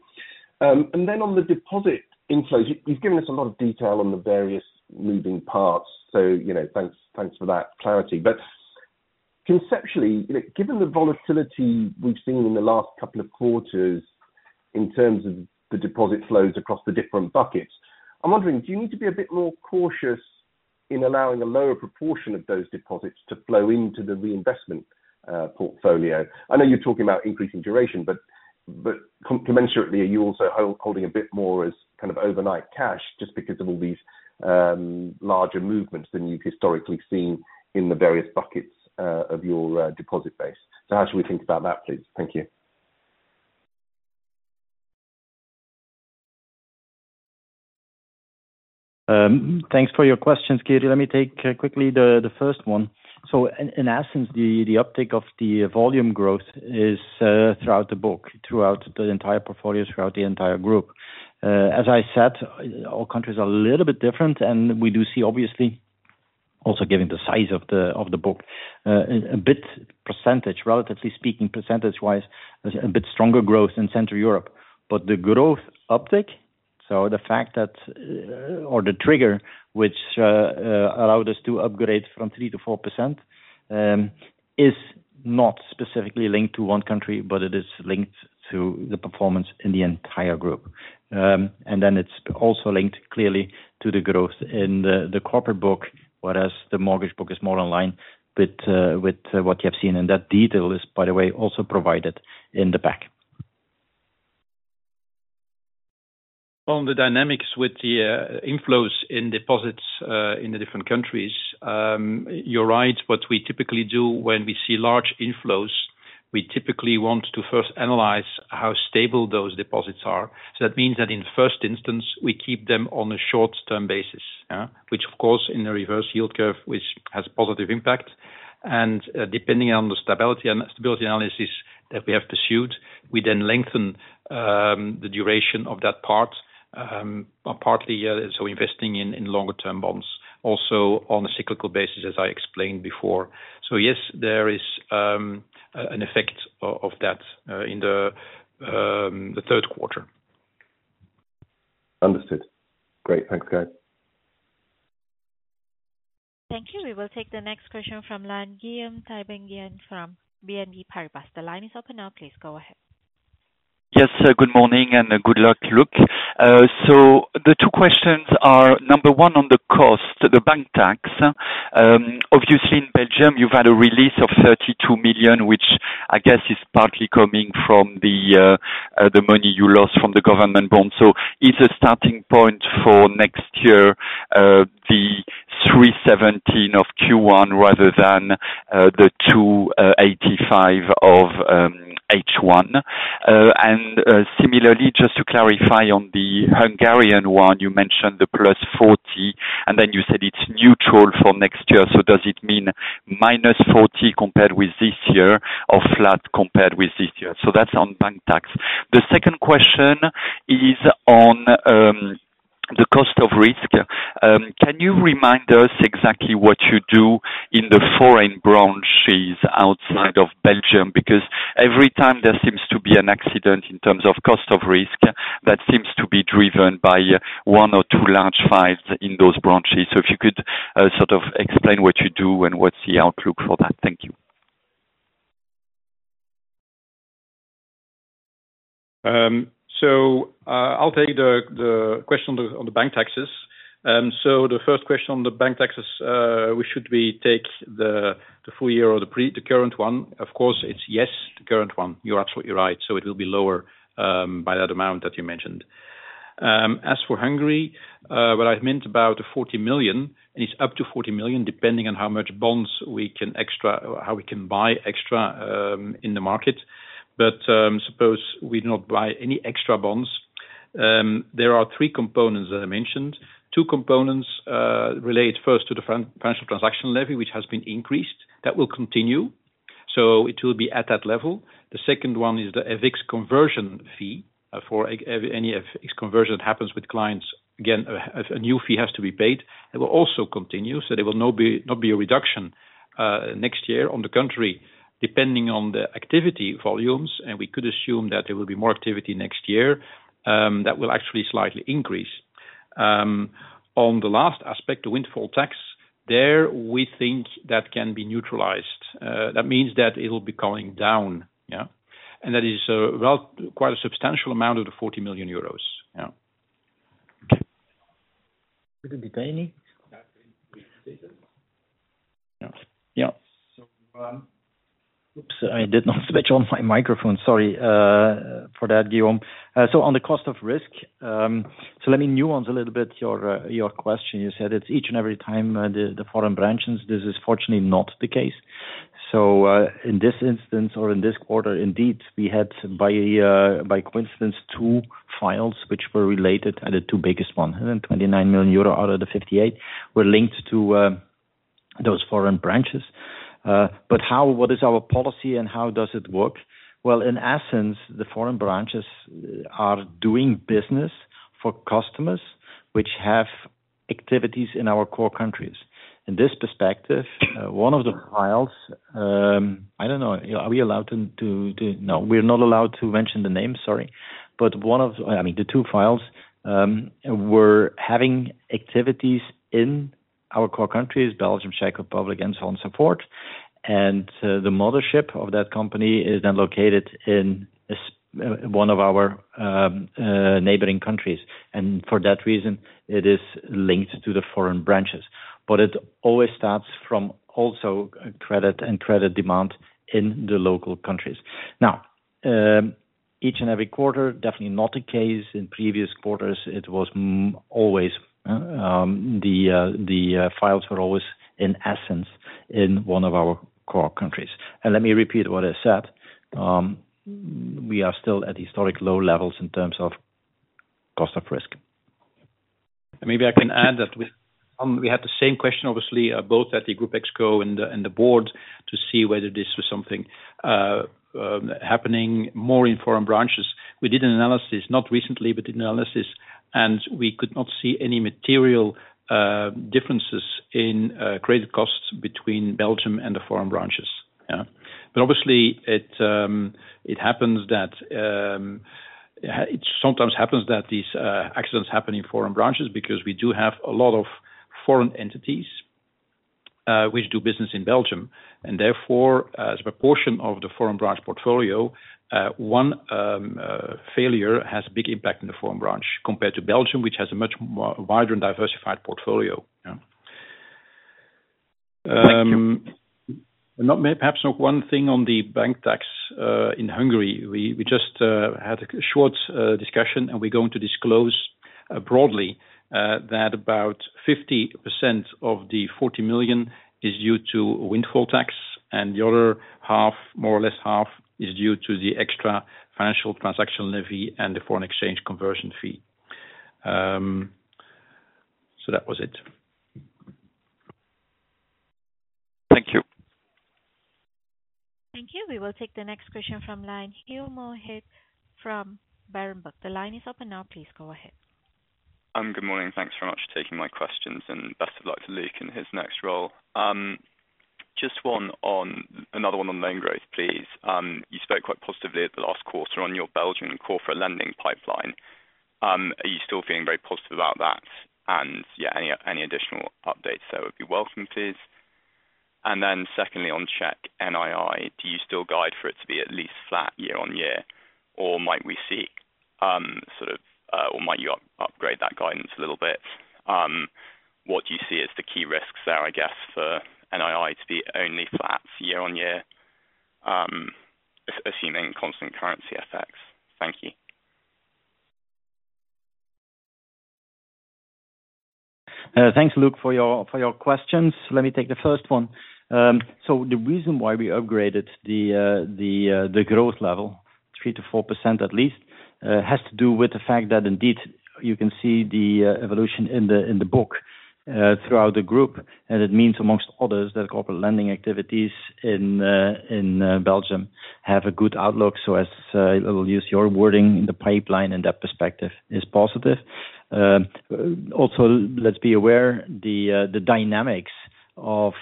And then on the deposit inflows, you, you've given us a lot of detail on the various moving parts, so, you know, thanks, thanks for that clarity. But conceptually, you know, given the volatility we've seen in the last couple of quarters in terms of the deposit flows across the different buckets, I'm wondering, do you need to be a bit more cautious in allowing a lower proportion of those deposits to flow into the reinvestment portfolio? I know you're talking about increasing duration, but commensurately, are you also holding a bit more as kind of overnight cash just because of all these larger movements than you've historically seen in the various buckets of your deposit base? So how should we think about that, please? Thank you. ...Thanks for your questions, Kiri. Let me take quickly the first one. So in essence, the uptick of the volume growth is throughout the book, throughout the entire portfolio, throughout the entire group. As I said, all countries are a little bit different, and we do see obviously, also given the size of the book, a bit percentage, relatively speaking, percentage wise, a bit stronger growth in Central Europe. But the growth uptick, so the fact that or the trigger, which allowed us to upgrade from 3%-4%, is not specifically linked to one country, but it is linked to the performance in the entire group. And then it's also linked clearly to the growth in the, the corporate book, whereas the mortgage book is more in line with what you have seen, and that detail is by the way, also provided in the back. On the dynamics with the inflows in deposits in the different countries, you're right. What we typically do when we see large inflows, we typically want to first analyze how stable those deposits are. So that means that in first instance, we keep them on a short-term basis, which of course, in a reverse yield curve, which has a positive impact. And depending on the stability analysis that we have pursued, we then lengthen the duration of that part, partly so investing in longer term bonds, also on a cyclical basis, as I explained before. So yes, there is an effect of that in the third quarter. Understood. Great. Thanks, guys. Thank you. We will take the next question from Guillaume Tiberghien from BNP Paribas. The line is open now, please go ahead. Yes, good morning and good luck, Luc. So the two questions are: number one, on the cost, the bank tax. Obviously in Belgium, you've had a release of 32 million, which I guess is partly coming from the money you lost from the government bond. So is a starting point for next year the 317 of Q1 rather than the 285 of H1? And similarly, just to clarify on the Hungarian one, you mentioned the +40, and then you said it's neutral for next year. So does it mean -40 compared with this year, or flat compared with this year? So that's on bank tax. The second question is on the cost of risk. Can you remind us exactly what you do in the foreign branches outside of Belgium? Because every time there seems to be an accident in terms of cost of risk, that seems to be driven by one or two large files in those branches. So if you could sort of explain what you do and what's the outlook for that. Thank you. So, I'll take the question on the bank taxes. So the first question on the bank taxes, we should take the full year or the current one? Of course, it's yes, the current one. You're absolutely right. So it will be lower by that amount that you mentioned. As for Hungary, what I meant about the 40 million, and it's up to 40 million, depending on how much bonds we can or how we can buy extra in the market. But suppose we do not buy any extra bonds, there are three components that I mentioned. Two components relate first to the financial transaction levy, which has been increased. That will continue, so it will be at that level. The second one is the EVIC's conversion fee, for any EVIC conversion that happens with clients, again, a new fee has to be paid. It will also continue, so there will not be a reduction, next year on the country, depending on the activity volumes, and we could assume that there will be more activity next year, that will actually slightly increase. On the last aspect, the windfall tax, there we think that can be neutralized. That means that it'll be going down, yeah, and that is, well, quite a substantial amount of the 40 million euros. Yeah. Could it be paying? Yeah. Yeah. So, oops, I did not switch on my microphone. Sorry, for that, Guillaume. So on the cost of risk, so let me nuance a little bit your, your question. You said it's each and every time, the foreign branches, this is fortunately not the case. So, in this instance or in this quarter, indeed, we had by coincidence, 2 files which were related, and the two biggest ones, and then 29 million euro out of the 58 million were linked to, those foreign branches. But how, what is our policy and how does it work? Well, in essence, the foreign branches are doing business for customers which have activities in our core countries. In this perspective, one of the files, I don't know, are we allowed to, to, to... No, we're not allowed to mention the name, sorry, but one of the—I mean, the two files were having activities in our core countries, Belgium, Czech Republic, and so on, support. And, the mothership of that company is then located in one of our neighboring countries, and for that reason, it is linked to the foreign branches. But it always starts from also credit and credit demand in the local countries. Now, each and every quarter, definitely not the case. In previous quarters it was always, the files were always in essence, in one of our core countries. And let me repeat what I said, we are still at historic low levels in terms of cost of risk. And maybe I can add that we, we had the same question, obviously, both at the group ExCo and the board, to see whether this was something happening more in foreign branches. We did an analysis, not recently, but did an analysis, and we could not see any material differences in credit costs between Belgium and the foreign branches. Yeah. But obviously, it, it happens that it sometimes happens that these accidents happen in foreign branches, because we do have a lot of foreign entities which do business in Belgium. And therefore, as a proportion of the foreign branch portfolio, one failure has a big impact in the foreign branch, compared to Belgium, which has a much wider and diversified portfolio. Yeah. Thank you. Perhaps not one thing on the bank tax in Hungary. We just had a short discussion, and we're going to disclose broadly that about 50% of the 40 million is due to windfall tax, and the other half, more or less half, is due to the extra financial transaction levy and the foreign exchange conversion fee. So that was it. Thank you. Thank you. We will take the next question from line, Mohit Kumar from Berenberg. The line is open now, please go ahead. Good morning, and thanks very much for taking my questions, and best of luck to Luc in his next role. Another one on loan growth, please. You spoke quite positively at the last quarter on your Belgium corporate lending pipeline. Are you still feeling very positive about that? And yeah, any additional updates there would be welcome, please. And then secondly, on Czech NII, do you still guide for it to be at least flat year-on-year? Or might you upgrade that guidance a little bit? What do you see as the key risks there, I guess, for NII to be only flat year-on-year, assuming constant currency effects? Thank you. Thanks, for your questions. Let me take the first one. So the reason why we upgraded the growth level, 3%-4% at least, has to do with the fact that indeed, you can see the evolution in the book throughout the group. And it means, amongst others, that corporate lending activities in Belgium have a good outlook. So as I will use your wording, the pipeline in that perspective is positive. Also, let's be aware, the dynamics of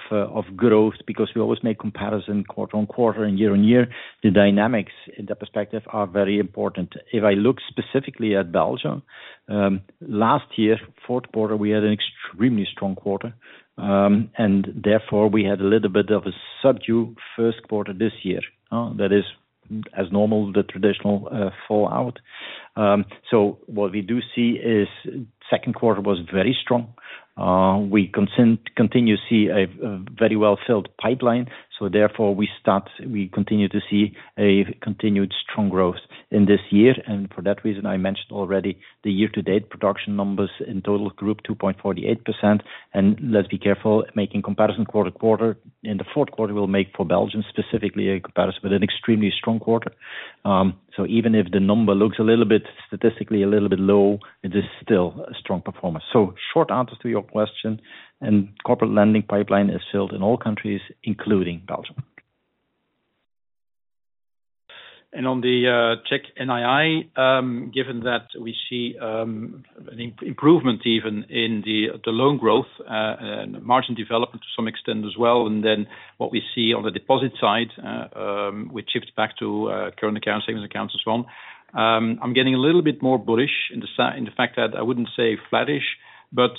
growth, because we always make comparison quarter on quarter and year on year. The dynamics in the perspective are very important. If I look specifically at Belgium, last year, fourth quarter, we had an extremely strong quarter. Therefore, we had a little bit of a subdued first quarter this year, that is, as normal, the traditional fallout. So what we do see is second quarter was very strong. We continue to see a very well-filled pipeline, so therefore we continue to see a continued strong growth in this year. For that reason, I mentioned already, the year-to-date production numbers in total group 2.48%. Let's be careful making comparison quarter to quarter; in the fourth quarter, we'll make for Belgium, specifically a comparison with an extremely strong quarter. So even if the number looks a little bit, statistically a little bit low, it is still a strong performance. So short answer to your question, and corporate lending pipeline is filled in all countries, including Belgium. On the Czech NII, given that we see an improvement even in the loan growth, margin development to some extent as well, and then what we see on the deposit side, which shifts back to current accounts, savings accounts, as well. I'm getting a little bit more bullish in the fact that I wouldn't say flattish, but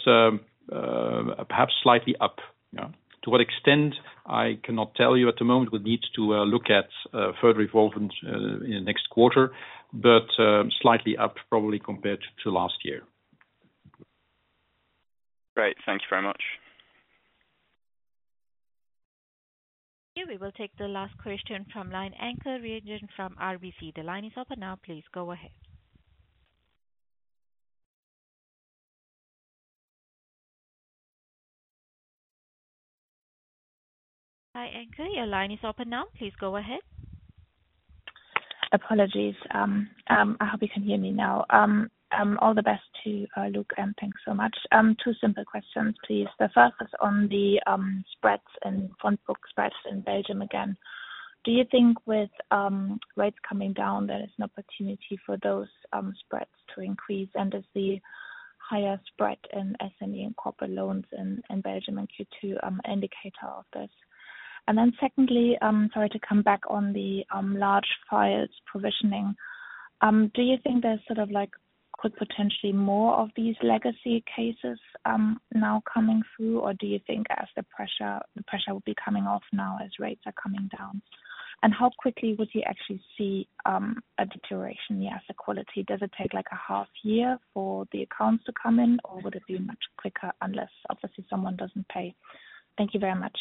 perhaps slightly up, yeah. To what extent, I cannot tell you at the moment. We need to look at further evolvement in the next quarter, but slightly up probably compared to last year. Great. Thank you very much. Yeah, we will take the last question from line, Anke Reingen from RBC. The line is open now, please go ahead. Hi, Anke, your line is open now, please go ahead. Apologies. I hope you can hear me now. All the best to Luc, and thanks so much. Two simple questions, please. The first is on the spreads and front book spreads in Belgium again. Do you think with rates coming down, there is an opportunity for those spreads to increase? And is the higher spread in SME and corporate loans in Belgium in Q2 indicator of this? And then secondly, sorry, to come back on the large files provisioning. Do you think there's sort of like, could potentially more of these legacy cases now coming through? Or do you think as the pressure, the pressure will be coming off now as rates are coming down, and how quickly would you actually see a deterioration in the asset quality? Does it take, like, a half year for the accounts to come in, or would it be much quicker, unless obviously someone doesn't pay? Thank you very much. ...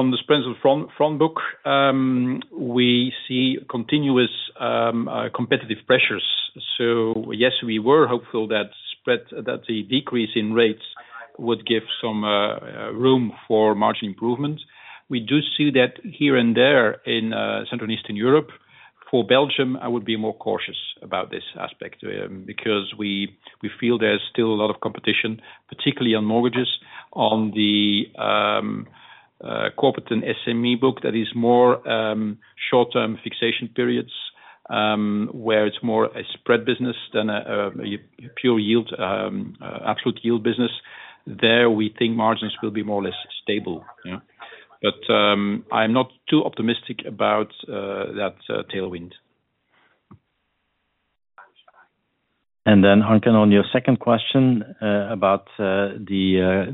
On the spreads front, front book, we see continuous competitive pressures. So yes, we were hopeful that spread, that the decrease in rates would give some room for margin improvement. We do see that here and there in Central and Eastern Europe. For Belgium, I would be more cautious about this aspect, because we feel there's still a lot of competition, particularly on mortgages, on the corporate and SME book that is more short-term fixation periods, where it's more a spread business than a pure yield absolute yield business. There, we think margins will be more or less stable, yeah. But, I'm not too optimistic about that tailwind. Then, Anke, on your second question, about the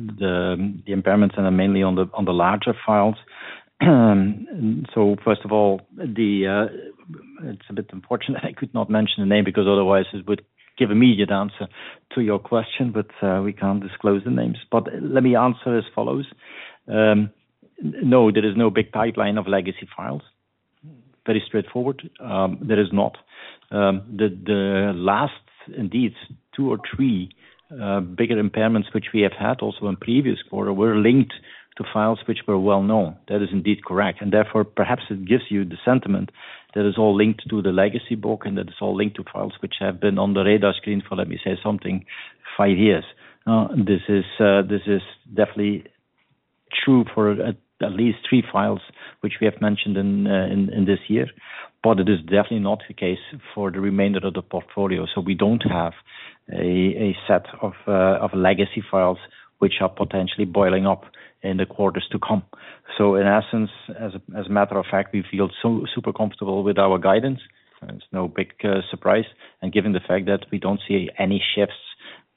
impairments and are mainly on the larger files. So first of all, it's a bit unfortunate I could not mention the name because otherwise it would give immediate answer to your question, but we can't disclose the names. But let me answer as follows. No, there is no big pipeline of legacy files. Very straightforward. There is not. The last indeed two or three bigger impairments which we have had also in previous quarter were linked to files which were well known. That is indeed correct, and therefore, perhaps it gives you the sentiment that is all linked to the legacy book, and that is all linked to files which have been on the radar screen for, let me say, something five years. This is definitely true for at least three files, which we have mentioned in this year, but it is definitely not the case for the remainder of the portfolio. So we don't have a set of legacy files, which are potentially boiling up in the quarters to come. So in essence, as a matter of fact, we feel so super comfortable with our guidance, and it's no big surprise. And given the fact that we don't see any shifts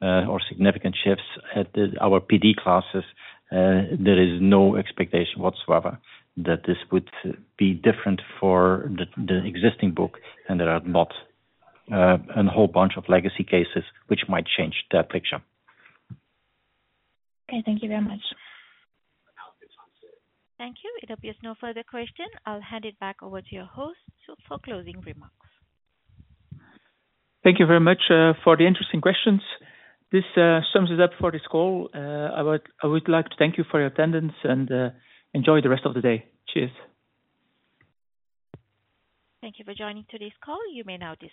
or significant shifts at our PD classes, there is no expectation whatsoever that this would be different for the existing book, and there are not a whole bunch of legacy cases which might change that picture. Okay, thank you very much. Thank you. It appears no further question. I'll hand it back over to your host, so for closing remarks. Thank you very much for the interesting questions. This sums it up for this call. I would like to thank you for your attendance and enjoy the rest of the day. Cheers! Thank you for joining today's call. You may now disconnect.